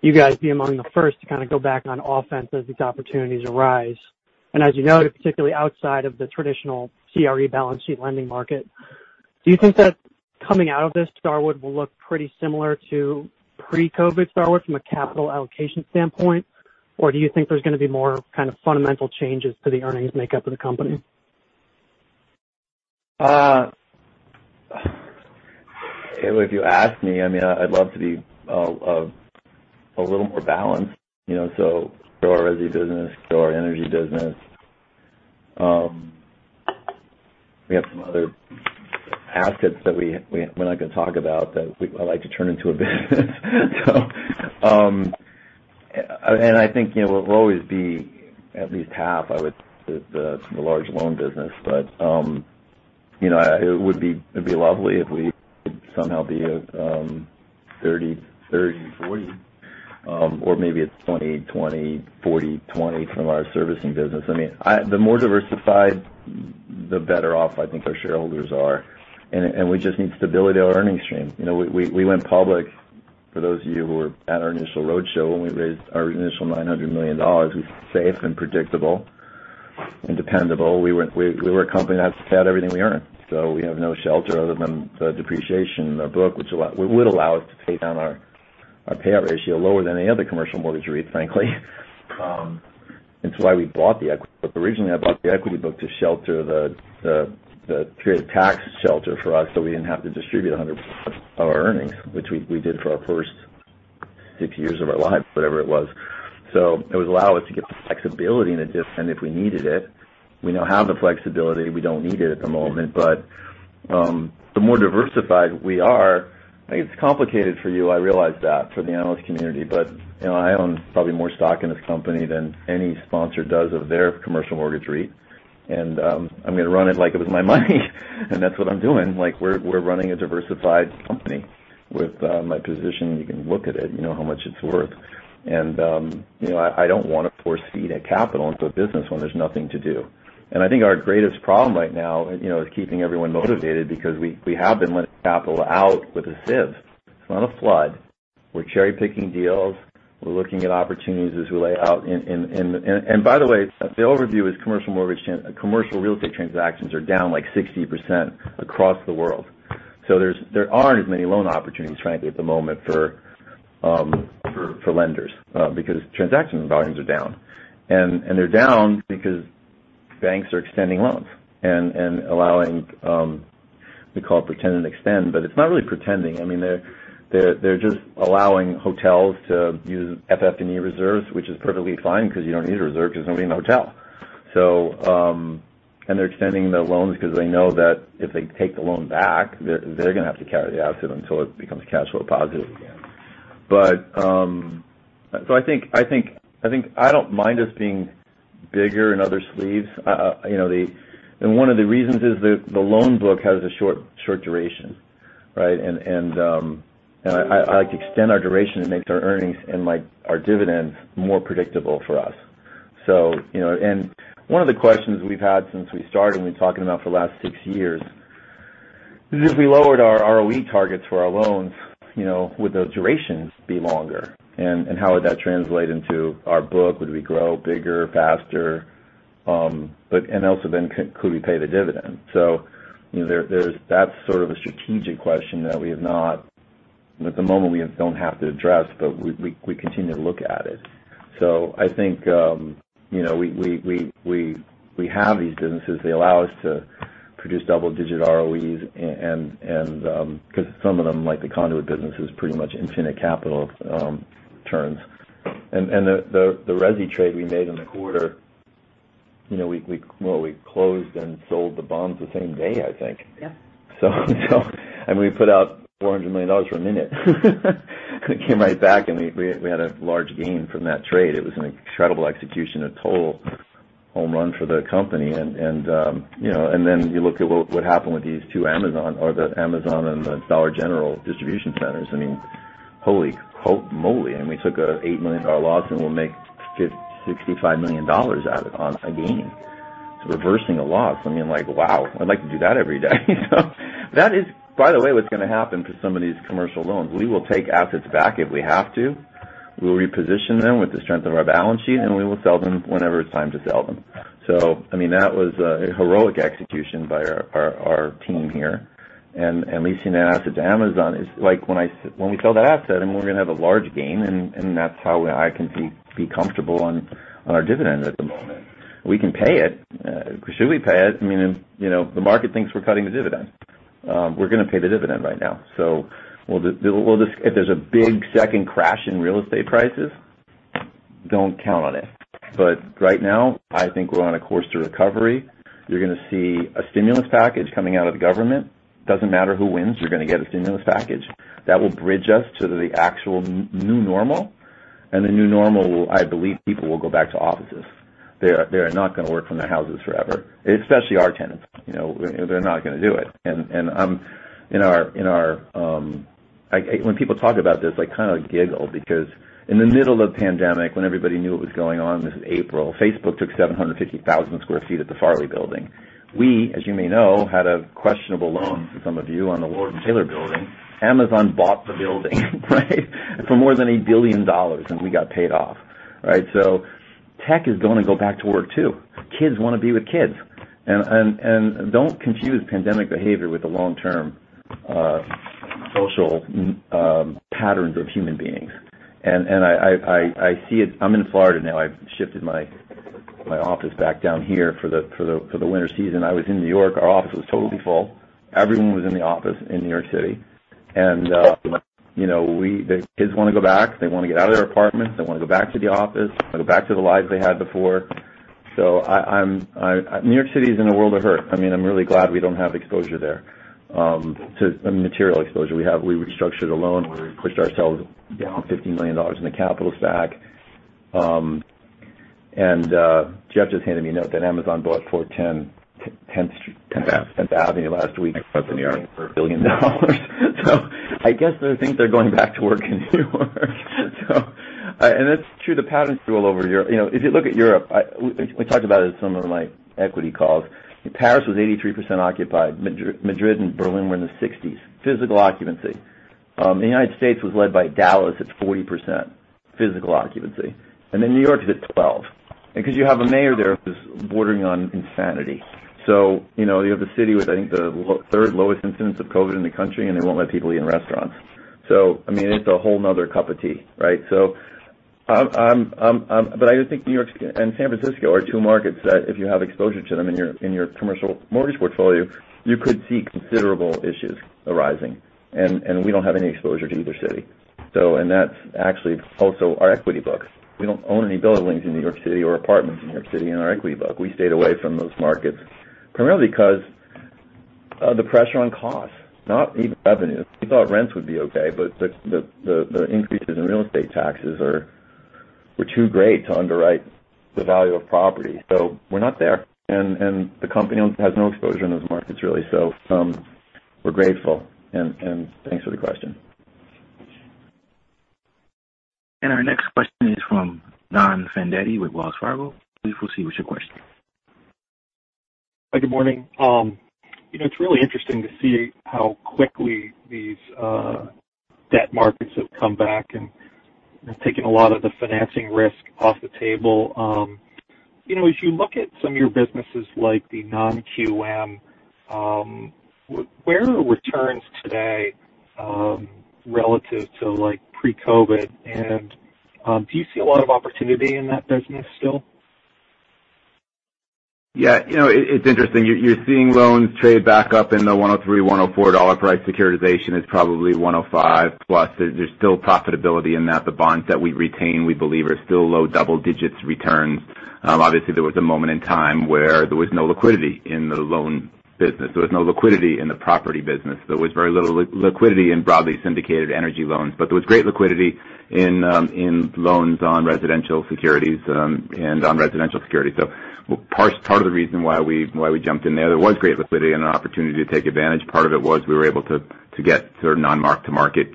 you guys be among the first to kind of go back on offense as these opportunities arise, and as you noted, particularly outside of the traditional CRE balance sheet lending market, do you think that coming out of this Starwood will look pretty similar to pre-COVID Starwood from a capital allocation standpoint? Or do you think there's going to be more kind of fundamental changes to the earnings makeup of the company? If you ask me, I mean, I'd love to be a little more balanced, so grow our resi business, grow our energy business. We have some other assets that we're not going to talk about that I like to turn into a business, and I think we'll always be at least half, I would say, the large loan business, but it would be lovely if we could somehow be 30, 30, 40, or maybe it's 20, 20, 40, 20 from our servicing business. I mean, the more diversified, the better off I think our shareholders are, and we just need stability of our earnings stream. We went public, for those of you who were at our initial roadshow when we raised our initial $900 million. We were safe and predictable and dependable. We were a company that had everything we earned. So we have no shelter other than the depreciation in our book, which would allow us to pay down our payout ratio lower than any other commercial mortgage REIT, frankly. It's why we bought the equity book. Originally, I bought the equity book to shelter the tax shelter for us so we didn't have to distribute 100% of our earnings, which we did for our first six years of our lives, whatever it was. So it would allow us to get the flexibility in a different if we needed it. We now have the flexibility. We don't need it at the moment. But the more diversified we are, I think it's complicated for you. I realize that for the analyst community. But I own probably more stock in this company than any sponsor does of their commercial mortgage REIT. And I'm going to run it like it was my money. That's what I'm doing. We're running a diversified company with my position. You can look at it, you know how much it's worth. And I don't want to force that capital into a business when there's nothing to do. And I think our greatest problem right now is keeping everyone motivated because we have been letting capital out with a sieve. It's not a flood. We're cherry-picking deals. We're looking at opportunities as we lay out. And by the way, the overview is commercial real estate transactions are down like 60% across the world. So there aren't as many loan opportunities, frankly, at the moment for lenders because transaction volumes are down. And they're down because banks are extending loans and allowing, we call it pretend and extend, but it's not really pretending. I mean, they're just allowing hotels to use FF&E reserves, which is perfectly fine because you don't need a reserve because there's nobody in the hotel. And they're extending the loans because they know that if they take the loan back, they're going to have to carry the asset until it becomes cash flow positive again. So I think I don't mind us being bigger in other sleeves. And one of the reasons is the loan book has a short duration, right? And I like to extend our duration. It makes our earnings and our dividends more predictable for us. And one of the questions we've had since we started, and we've been talking about for the last six years, is if we lowered our ROE targets for our loans, would the durations be longer? And how would that translate into our book? Would we grow bigger, faster? And also then, could we pay the dividend? So that's sort of a strategic question that we have not, at the moment, we don't have to address, but we continue to look at it. So I think we have these businesses. They allow us to produce double-digit ROEs because some of them, like the conduit businesses, pretty much infinite capital turns. And the resi trade we made in the quarter, we closed and sold the bonds the same day, I think. And we put out $400 million for a minute. We came right back, and we had a large gain from that trade. It was an incredible execution, a total home run for the company. And then you look at what happened with these two Amazon, or the Amazon and the Dollar General distribution centers. I mean, holy moly. I mean, we took an $8 million loss, and we'll make $65 million out of it on a gain. It's reversing a loss. I mean, like, wow. I'd like to do that every day. That is, by the way, what's going to happen for some of these commercial loans. We will take assets back if we have to. We'll reposition them with the strength of our balance sheet, and we will sell them whenever it's time to sell them, so I mean, that was a heroic execution by our team here, and leasing that asset to Amazon, it's like when we sell that asset, and we're going to have a large gain, and that's how I can be comfortable on our dividend at the moment. We can pay it. Should we pay it? I mean, the market thinks we're cutting the dividend. We're going to pay the dividend right now. So if there's a big second crash in real estate prices, don't count on it. But right now, I think we're on a course to recovery. You're going to see a stimulus package coming out of the government. It doesn't matter who wins. You're going to get a stimulus package that will bridge us to the actual new normal. And the new normal, I believe people will go back to offices. They're not going to work from their houses forever, especially our tenants. They're not going to do it. And when people talk about this, I kind of giggle because in the middle of the pandemic, when everybody knew what was going on, this is April, Facebook took 750,000 sq ft at the Farley Building. We, as you may know, had a questionable loan for some of you on the Lord & Taylor Building. Amazon bought the building, right, for more than $1 billion, and we got paid off, right? So tech is going to go back to work too. Kids want to be with kids. And don't confuse pandemic behavior with the long-term social patterns of human beings. And I see it. I'm in Florida now. I've shifted my office back down here for the winter season. I was in New York. Our office was totally full. Everyone was in the office in New York City. And the kids want to go back. They want to get out of their apartments. They want to go back to the office. They want to go back to the lives they had before. So New York City is in a world of hurt. I mean, I'm really glad we don't have exposure there. So material exposure. We restructured a loan. We pushed ourselves down $50 million in the capital stack, and Jeff just handed me a note that Amazon bought 410 Tenth Avenue last week. That's in New York. $1 billion, so I guess they think they're going back to work in New York, and that's true. The patterns are all over Europe. If you look at Europe, we talked about it in some of my equity calls. Paris was 83% occupied. Madrid and Berlin were in the 60s physical occupancy. The United States was led by Dallas at 40% physical occupancy, and then New York is at 12%. Because you have a mayor there who's bordering on insanity, so you have the city with, I think, the third lowest incidence of COVID in the country, and they won't let people eat in restaurants, so I mean, it's a whole nother cup of tea, right, but I think New York and San Francisco are two markets that if you have exposure to them in your commercial mortgage portfolio, you could see considerable issues arising. We don't have any exposure to either city. That's actually also our equity book. We don't own any buildings in New York City or apartments in New York City in our equity book. We stayed away from those markets, primarily because of the pressure on costs, not even revenue. We thought rents would be okay, but the increases in real estate taxes were too great to underwrite the value of property. We're not there. The company has no exposure in those markets, really. We're grateful. Thanks for the question. Our next question is from Don Fandetti with Wells Fargo. Please proceed with your question. Hi, good morning. It's really interesting to see how quickly these debt markets have come back and taken a lot of the financing risk off the table. As you look at some of your businesses like the non-QM, where are returns today relative to pre-COVID? And do you see a lot of opportunity in that business still? Yeah. It's interesting. You're seeing loans trade back up in the $103-$104 dollar price. Securitization is probably $105 plus. There's still profitability in that. The bonds that we retain, we believe, are still low double-digit returns. Obviously, there was a moment in time where there was no liquidity in the loan business. There was no liquidity in the property business. There was very little liquidity in broadly syndicated energy loans, but there was great liquidity in loans on residential securities. So part of the reason why we jumped in there, there was great liquidity and an opportunity to take advantage. Part of it was we were able to get sort of non-mark-to-market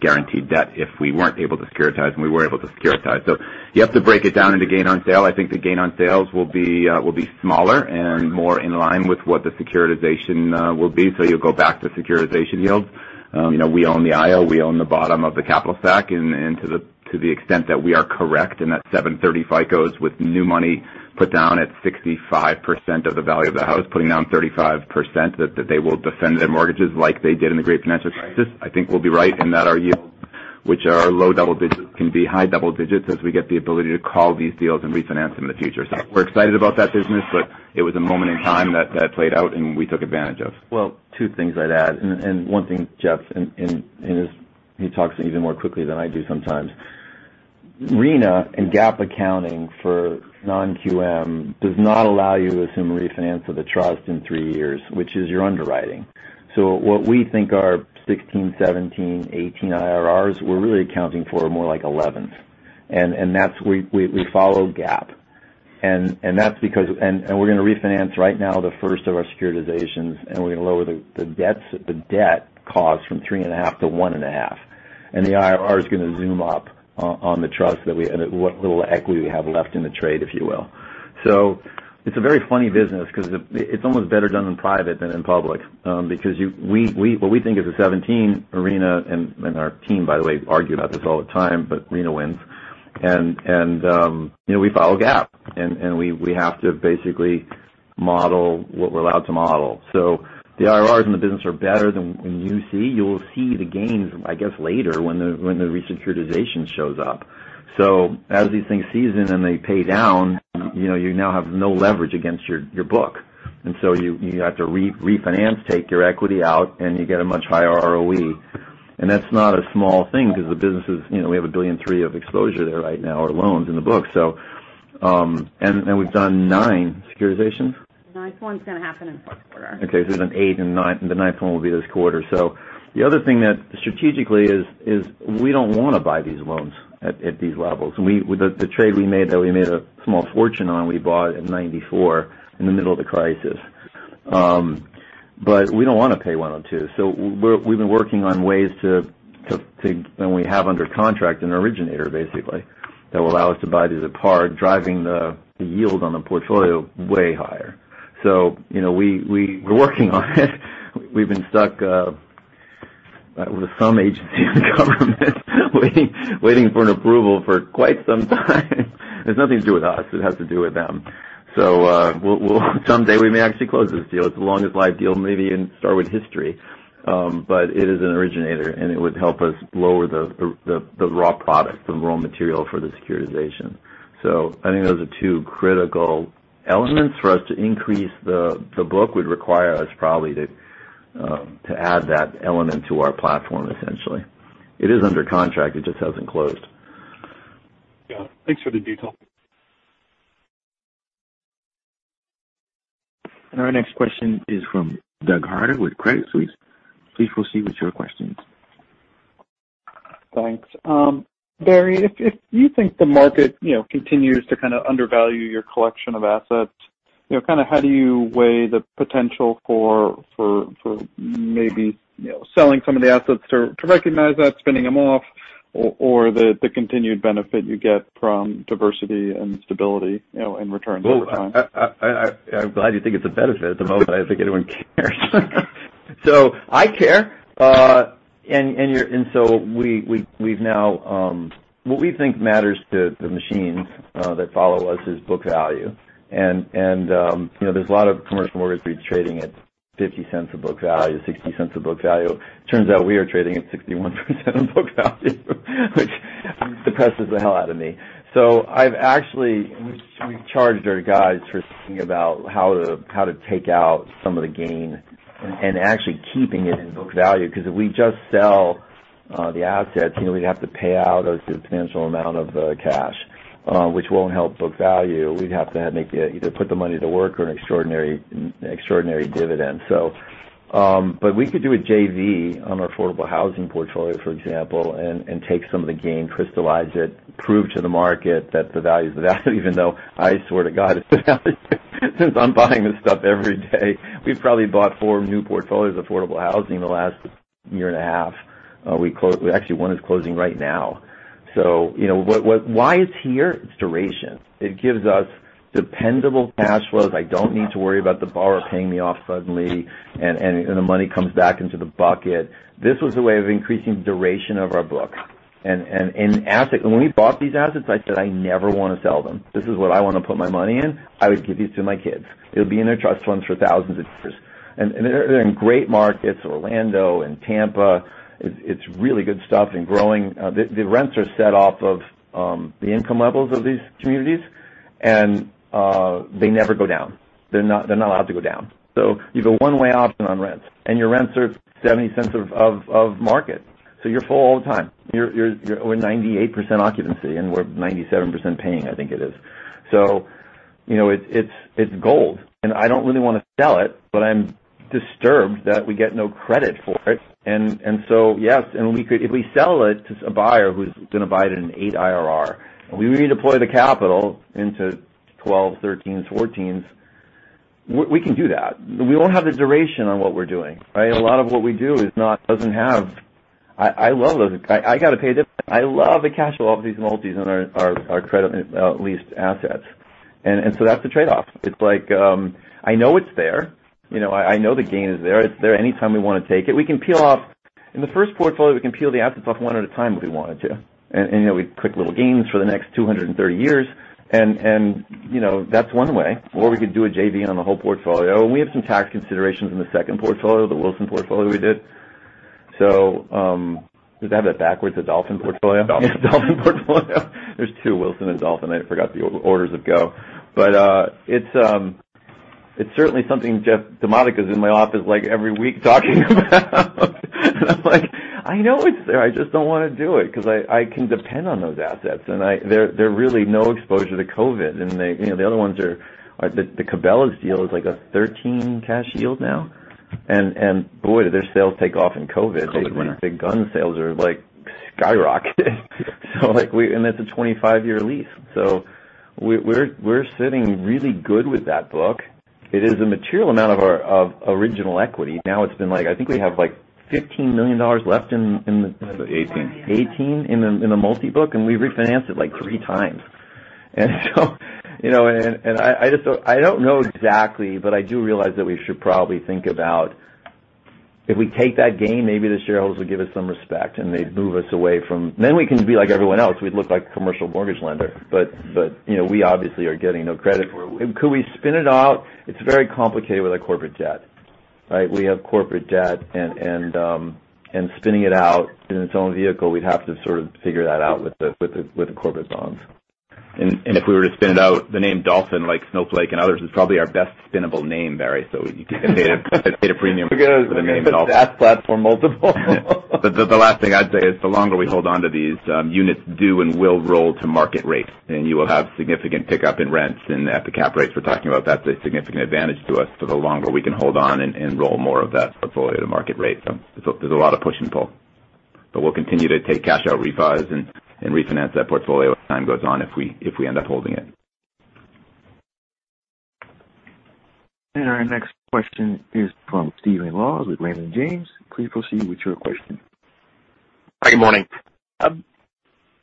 guaranteed debt if we weren't able to securitize, and we were able to securitize, so you have to break it down into gain on sale. I think the gain on sales will be smaller and more in line with what the securitization will be. So you'll go back to securitization yields. We own the IO. We own the bottom of the capital stack, and to the extent that we are correct in that 730 FICOs with new money put down at 65% of the value of the house, putting down 35% that they will defend their mortgages like they did in the great financial crisis, I think we'll be right in that our yields, which are low double-digits, can be high double-digits as we get the ability to call these deals and refinance them in the future, so we're excited about that business, but it was a moment in time that played out and we took advantage of. Two things I'd add. One thing, Jeff, and he talks even more quickly than I do sometimes. GAAP accounting for non-QM does not allow you to assume refinance of the trust in three years, which is your underwriting. What we think are 16, 17, 18 IRRs, we're really accounting for more like 11. We follow GAAP. We're going to refinance right now the first of our securitizations, and we're going to lower the debt cost from three and a half to one and a half. The IRR is going to zoom up on the trust that we what little equity we have left in the trade, if you will. It's a very funny business because it's almost better done in private than in public because what we think is 17%. Rina and our team, by the way, argue about this all the time, but Rina wins. We follow GAAP. We have to basically model what we're allowed to model. The IRRs in the business are better than when you see. You will see the gains, I guess, later when the resecuritization shows up. As these things season and they pay down, you now have no leverage against your book, so you have to refinance, take your equity out, and you get a much higher ROE. That's not a small thing because the businesses, we have $1.3 billion of exposure there right now of loans in the book. We've done nine securitizations. Ninth one's going to happen in the first quarter. Okay. So there's an eight and nine. The ninth one will be this quarter. So the other thing that strategically is we don't want to buy these loans at these levels. The trade we made that we made a small fortune on, we bought at 94 in the middle of the crisis. But we don't want to pay 102. So we've been working on ways to, and we have under contract an originator, basically, that will allow us to buy these apart, driving the yield on the portfolio way higher. So we're working on it. We've been stuck with some agencies in government waiting for an approval for quite some time. It's nothing to do with us. It has to do with them. So someday we may actually close this deal. It's the longest live deal, maybe, and start with history. but it is an originator, and it would help us lower the raw product, the raw material for the securitization. So I think those are two critical elements for us to increase. The book would require us probably to add that element to our platform, essentially. It is under contract. It just hasn't closed. Yeah. Thanks for the detail. Our next question is from Douglas Harter with Credit Suisse. Please proceed with your questions. Thanks. Barry, if you think the market continues to kind of undervalue your collection of assets, kind of how do you weigh the potential for maybe selling some of the assets to recognize that, spinning them off, or the continued benefit you get from diversity and stability in returns over time? I'm glad you think it's a benefit at the moment. I don't think anyone cares, so I care, and so we've now, what we think matters to the machines that follow us, is book value, and there's a lot of commercial mortgage trading at 50 cents of book value, 60 cents of book value. It turns out we are trading at 61% of book value, which depresses the hell out of me, so we've charged our guys for thinking about how to take out some of the gain and actually keeping it in book value. Because if we just sell the assets, we'd have to pay out a substantial amount of cash, which won't help book value. We'd have to either put the money to work or an extraordinary dividend. But we could do a JV on our affordable housing portfolio, for example, and take some of the gain, crystallize it, prove to the market that the value is the value, even though I sort of got it since I'm buying this stuff every day. We've probably bought four new portfolios of affordable housing in the last year and a half. Actually, one is closing right now. So why is it here? It's duration. It gives us dependable cash flows. I don't need to worry about the borrower paying me off suddenly, and the money comes back into the bucket. This was a way of increasing the duration of our book. And when we bought these assets, I said, "I never want to sell them. This is what I want to put my money in. I would give these to my kids. It'll be in their trust funds for thousands of years," and they're in great markets, Orlando and Tampa. It's really good stuff and growing. The rents are set off of the income levels of these communities, and they never go down. They're not allowed to go down, so you have a one-way option on rents, and your rents are 70 cents of market, so you're full all the time. We're 98% occupancy, and we're 97% paying, I think it is, so it's gold, and I don't really want to sell it, but I'm disturbed that we get no credit for it, and so, yes, and if we sell it to a buyer who's going to buy it at an 8 IRR, and we redeploy the capital into 12s, 13s, 14s, we can do that. We won't have the duration on what we're doing, right? A lot of what we do doesn't have. I love those. I got to pay them. I love the cash flow off these multis on our credit-leased assets, and so that's the trade-off. It's like I know it's there. I know the gain is there. It's there anytime we want to take it. In the first portfolio, we can peel the assets off one at a time if we wanted to, and we'd get quick little gains for the next 230 years, and that's one way. Or we could do a JV on the whole portfolio, and we have some tax considerations in the second portfolio, the Wilson portfolio we did. So does it have that backwards, the Dolphin portfolio? Dolphin. Dolphin portfolio. There's two Wilson and Dolphin. I forgot the order they go. Jeff DiModica is in my office like every week talking about. And I'm like, "I know it's there. I just don't want to do it because I can depend on those assets." And they're really no exposure to COVID. And the other ones are the Cabela's deal is like a 13% cash yield now. And boy, did their sales take off in COVID. COVID went. Big gun sales are like skyrocketed. And that's a 25-year lease. So we're sitting really good with that book. It is a material amount of our original equity. Now it's been like, I think we have like $15 million left in the. 18. 18 in the multi-book, and we've refinanced it like three times, and I don't know exactly, but I do realize that we should probably think about if we take that gain, maybe the shareholders will give us some respect and they'd move us away from then we can be like everyone else, we'd look like a commercial mortgage lender, but we obviously are getting no credit for it. Could we spin it out? It's very complicated with our corporate debt, right? We have corporate debt, and spinning it out in its own vehicle, we'd have to sort of figure that out with the corporate bonds. If we were to spin it out, the name Dolphin, like Snowflake and others, is probably our best spinable name, Barry. You can pay the premium for the name Dolphin. We're going to have to use the SaaS platform multiple. But the last thing I'd say is the longer we hold on to these units do and will roll to market rate. And you will have significant pickup in rents. And at the cap rates we're talking about, that's a significant advantage to us for the longer we can hold on and roll more of that portfolio to market rate. So there's a lot of push and pull. But we'll continue to take cash-out refis and refinance that portfolio as time goes on if we end up holding it. Our next question is from Stephen Laws with Raymond James. Please proceed with your question. Hi, good morning.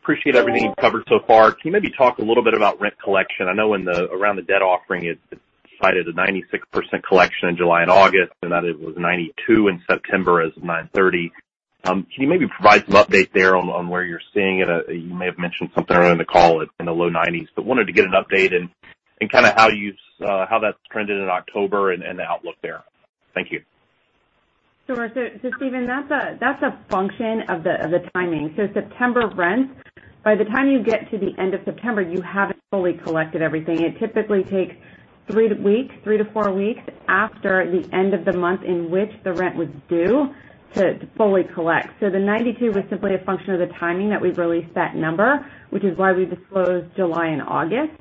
Appreciate everything you've covered so far. Can you maybe talk a little bit about rent collection? I know around the debt offering, it cited a 96% collection in July and August, and that it was 92% in September as of 9/30. Can you maybe provide some update there on where you're seeing it? You may have mentioned something earlier in the call in the low 90s, but wanted to get an update in kind of how that's trended in October and the outlook there. Thank you. So Stephen, that's a function of the timing. So September rents, by the time you get to the end of September, you haven't fully collected everything. It typically takes three to four weeks after the end of the month in which the rent was due to fully collect. So the 92% was simply a function of the timing that we've released that number, which is why we disclosed July and August.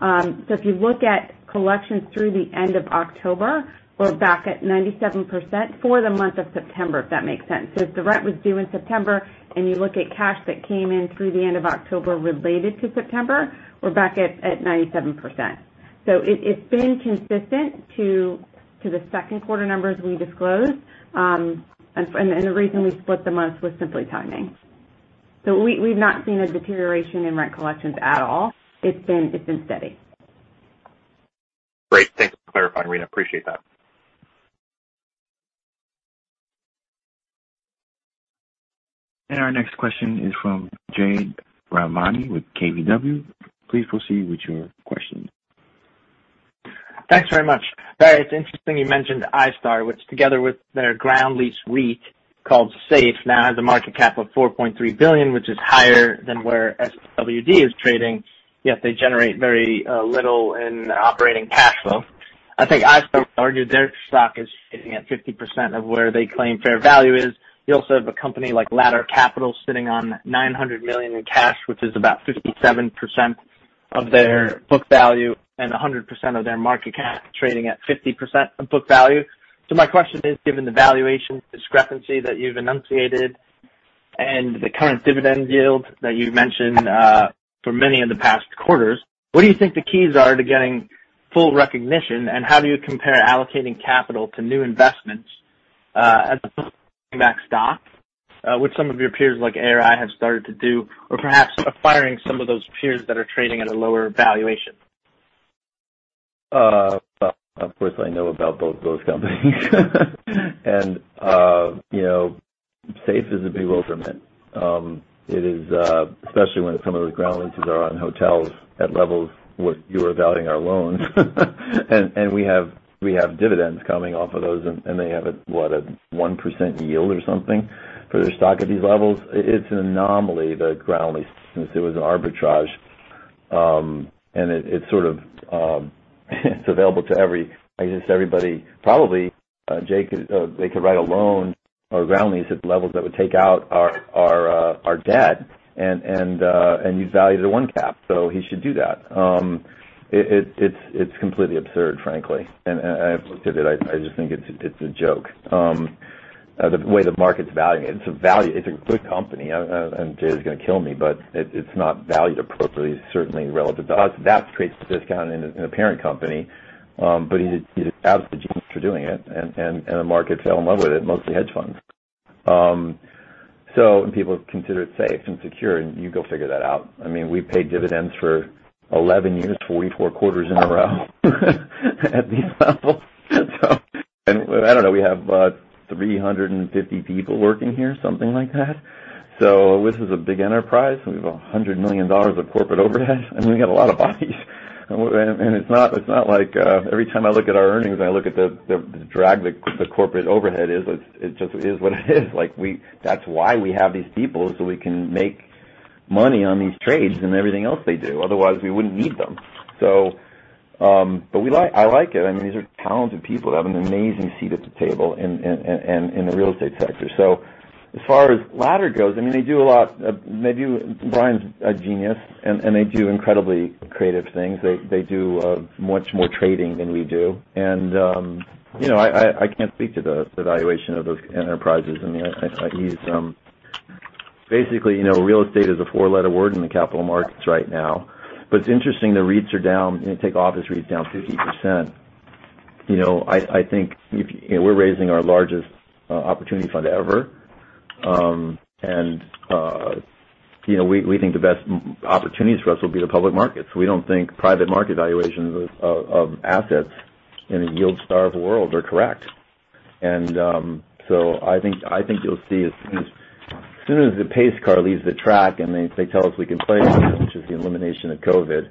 So if you look at collections through the end of October, we're back at 97% for the month of September, if that makes sense. So if the rent was due in September and you look at cash that came in through the end of October related to September, we're back at 97%. So it's been consistent to the second quarter numbers we disclosed. And the reason we split the months was simply timing. So we've not seen a deterioration in rent collections at all. It's been steady. Great. Thanks for clarifying, Rina. Appreciate that. Our next question is from Jade Rahmani with KBW. Please proceed with your question. Thanks very much. Barry, it's interesting you mentioned iStar, which together with their ground lease REIT called SAFE now has a market cap of $4.3 billion, which is higher than where STWD is trading, yet they generate very little in operating cash flow. I think iStar would argue their stock is trading at 50% of where they claim fair value is. You also have a company like Ladder Capital sitting on $900 million in cash, which is about 57% of their book value and 100% of their market cap trading at 50% of book value. My question is, given the valuation discrepancy that you've enunciated and the current dividend yield that you've mentioned for many of the past quarters, what do you think the keys are to getting full recognition, and how do you compare allocating capital to new investments as opposed to buying back stock, which some of your peers like ARI have started to do, or perhaps acquiring some of those peers that are trading at a lower valuation? Of course, I know about both those companies. And SAFE is a big welcome in, especially when some of those ground leases are on hotels at levels where you are valuing our loans. And we have dividends coming off of those, and they have a one% yield or something for their stock at these levels. It's an anomaly, the ground lease, since it was an arbitrage. And it's sort of available to everybody. Probably they could write a loan or ground lease at levels that would take out our debt, and you'd value it at one cap. So he should do that. It's completely absurd, frankly. And I've looked at it. I just think it's a joke. The way the market's valuing it, it's a good company. And Jay is going to kill me, but it's not valued appropriately, certainly relative to us. That creates a discount in a parent company. But he's an absolute genius for doing it. And the market fell in love with it, mostly hedge funds. And people consider it safe and secure, and you go figure that out. I mean, we've paid dividends for 11 years, 44 quarters in a row at these levels. And I don't know. We have 350 people working here, something like that. So this is a big enterprise. We have $100 million of corporate overhead. I mean, we got a lot of bodies. And it's not like every time I look at our earnings and I look at the drag the corporate overhead is, it just is what it is. That's why we have these people so we can make money on these trades and everything else they do. Otherwise, we wouldn't need them. But I like it. I mean, these are talented people that have an amazing seat at the table in the real estate sector. So as far as Ladder goes, I mean, they do a lot. Maybe Brian's a genius, and they do incredibly creative things. They do much more trading than we do. And I can't speak to the valuation of those enterprises. I mean, basically, real estate is a four-letter word in the capital markets right now. But it's interesting. The REITs are down. They take office REITs down 50%. I think we're raising our largest opportunity fund ever. And we think the best opportunities for us will be the public markets. We don't think private market valuations of assets in the yield-starved world are correct. And so I think you'll see as soon as the pace car leaves the track and they tell us we can play with it, which is the elimination of COVID.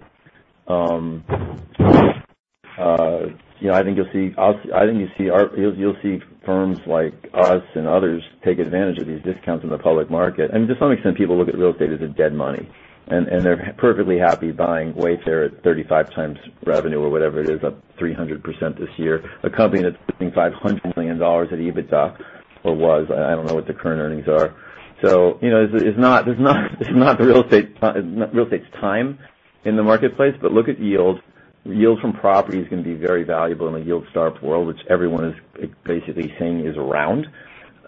I think you'll see firms like us and others take advantage of these discounts in the public market. I mean, to some extent, people look at real estate as a dead money. And they're perfectly happy buying Wayfair at 35 times revenue or whatever it is, up 300% this year. A company that's losing $500 million at EBITDA or was. I don't know what the current earnings are. So it's not the real estate's time in the marketplace, but look at yield. Yield from property is going to be very valuable in the yield-starved world, which everyone is basically saying is around.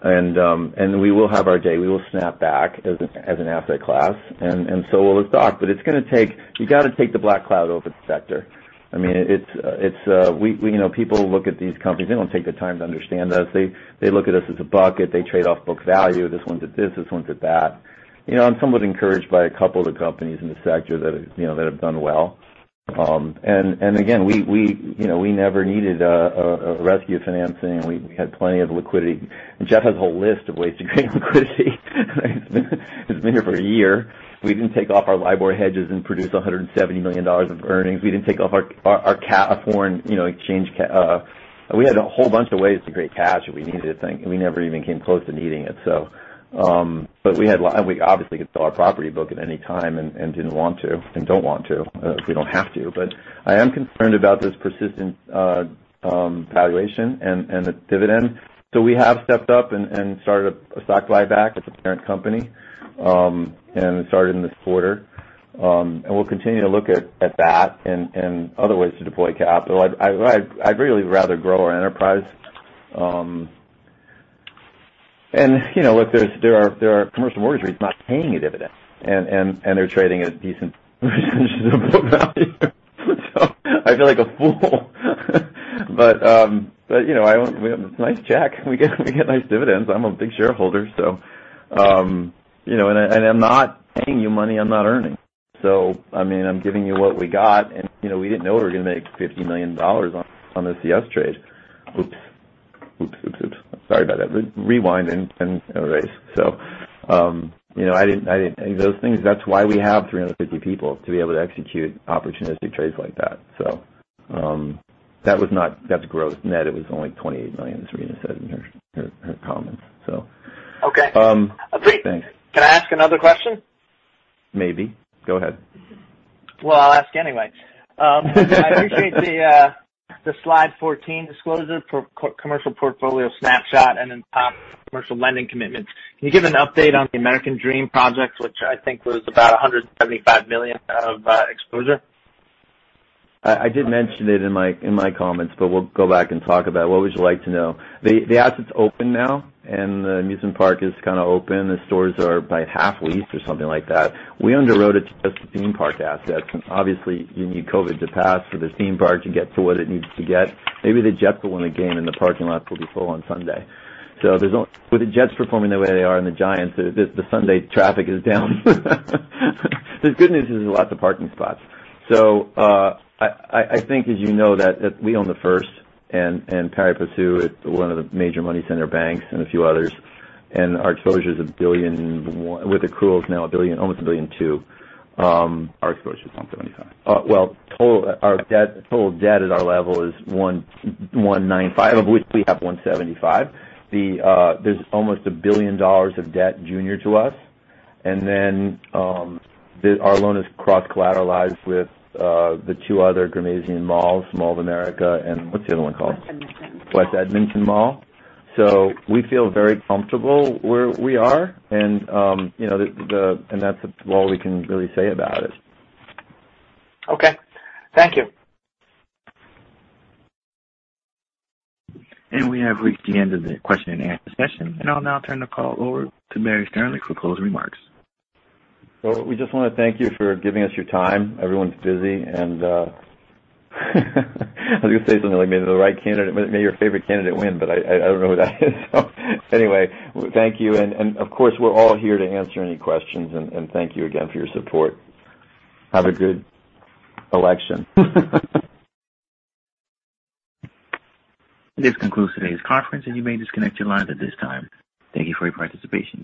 And we will have our day. We will snap back as an asset class, and so will the stock. But it's going to take. You got to take the black cloud over the sector. I mean, people look at these companies. They don't take the time to understand us. They look at us as a bucket. They trade off book value. This one did this. This one did that. I'm somewhat encouraged by a couple of the companies in the sector that have done well, and again, we never needed a rescue financing. We had plenty of liquidity. And Jeff has a whole list of ways to create liquidity. He's been here for a year. We didn't take off our LIBOR hedges and produce $170 million of earnings. We didn't take off our foreign exchange. We had a whole bunch of ways to create cash if we needed it. We never even came close to needing it. But we obviously could sell our property book at any time and didn't want to and don't want to if we don't have to. But I am concerned about this persistent valuation and the dividend. So we have stepped up and started a stock buyback of the parent company and started in this quarter. And we'll continue to look at that and other ways to deploy capital. I'd really rather grow our enterprise. And look, there are commercial mortgage REITs not paying a dividend, and they're trading at a decent percentage of book value. So I feel like a fool. But it's nice, Jade. We get nice dividends. I'm a big shareholder, so. And I'm not paying you money I'm not earning. So I mean, I'm giving you what we got. And we didn't know we were going to make $50 million on this CS trade. Oops. Oops, oops, oops. Sorry about that. Rewind and erase. So I didn't think those things. That's why we have 350 people to be able to execute opportunistic trades like that. So that was not. That's gross net. It was only $28 million, Rina Paniry said in her comments. So thanks. Okay. Can I ask another question? Maybe. Go ahead. I'll ask anyway. I appreciate the slide 14 disclosure for commercial portfolio snapshot and then top commercial lending commitments. Can you give an update on the American Dream project, which I think was about $175 million of exposure? I did mention it in my comments, but we'll go back and talk about what would you like to know. The assets open now, and the amusement park is kind of open. The stores are about half leased or something like that. We underwrote it to just the theme park assets, and obviously, you need COVID to pass for the theme park to get to what it needs to get. Maybe the Jets will win the game, and the parking lots will be full on Sunday, so with the Jets performing the way they are and the Giants, the Sunday traffic is down. The good news is there's lots of parking spots, so I think, as you know, that we own the first, and pari passu, one of the major money center banks, and a few others. Our exposure is $1 billion with accruals now $1 billion, almost $1.2 billion. Our exposure is 175. Our total debt at our level is $195, of which we have $175. There's almost $1 billion of debt junior to us, and then our loan is cross-collateralized with the two other Ghermezian malls, Mall of America and what's the other one called? West Edmonton. West Edmonton Mall. So we feel very comfortable where we are. And that's all we can really say about it. Okay. Thank you. We have reached the end of the question and answer session. I'll now turn the call over to Barry Sternlicht for closing remarks. We just want to thank you for giving us your time. Everyone's busy. I was going to say something like maybe the right candidate, maybe your favorite candidate win, but I don't know who that is. Anyway, thank you. Of course, we're all here to answer any questions. Thank you again for your support. Have a good election. This concludes today's conference, and you may disconnect your line at this time. Thank you for your participation.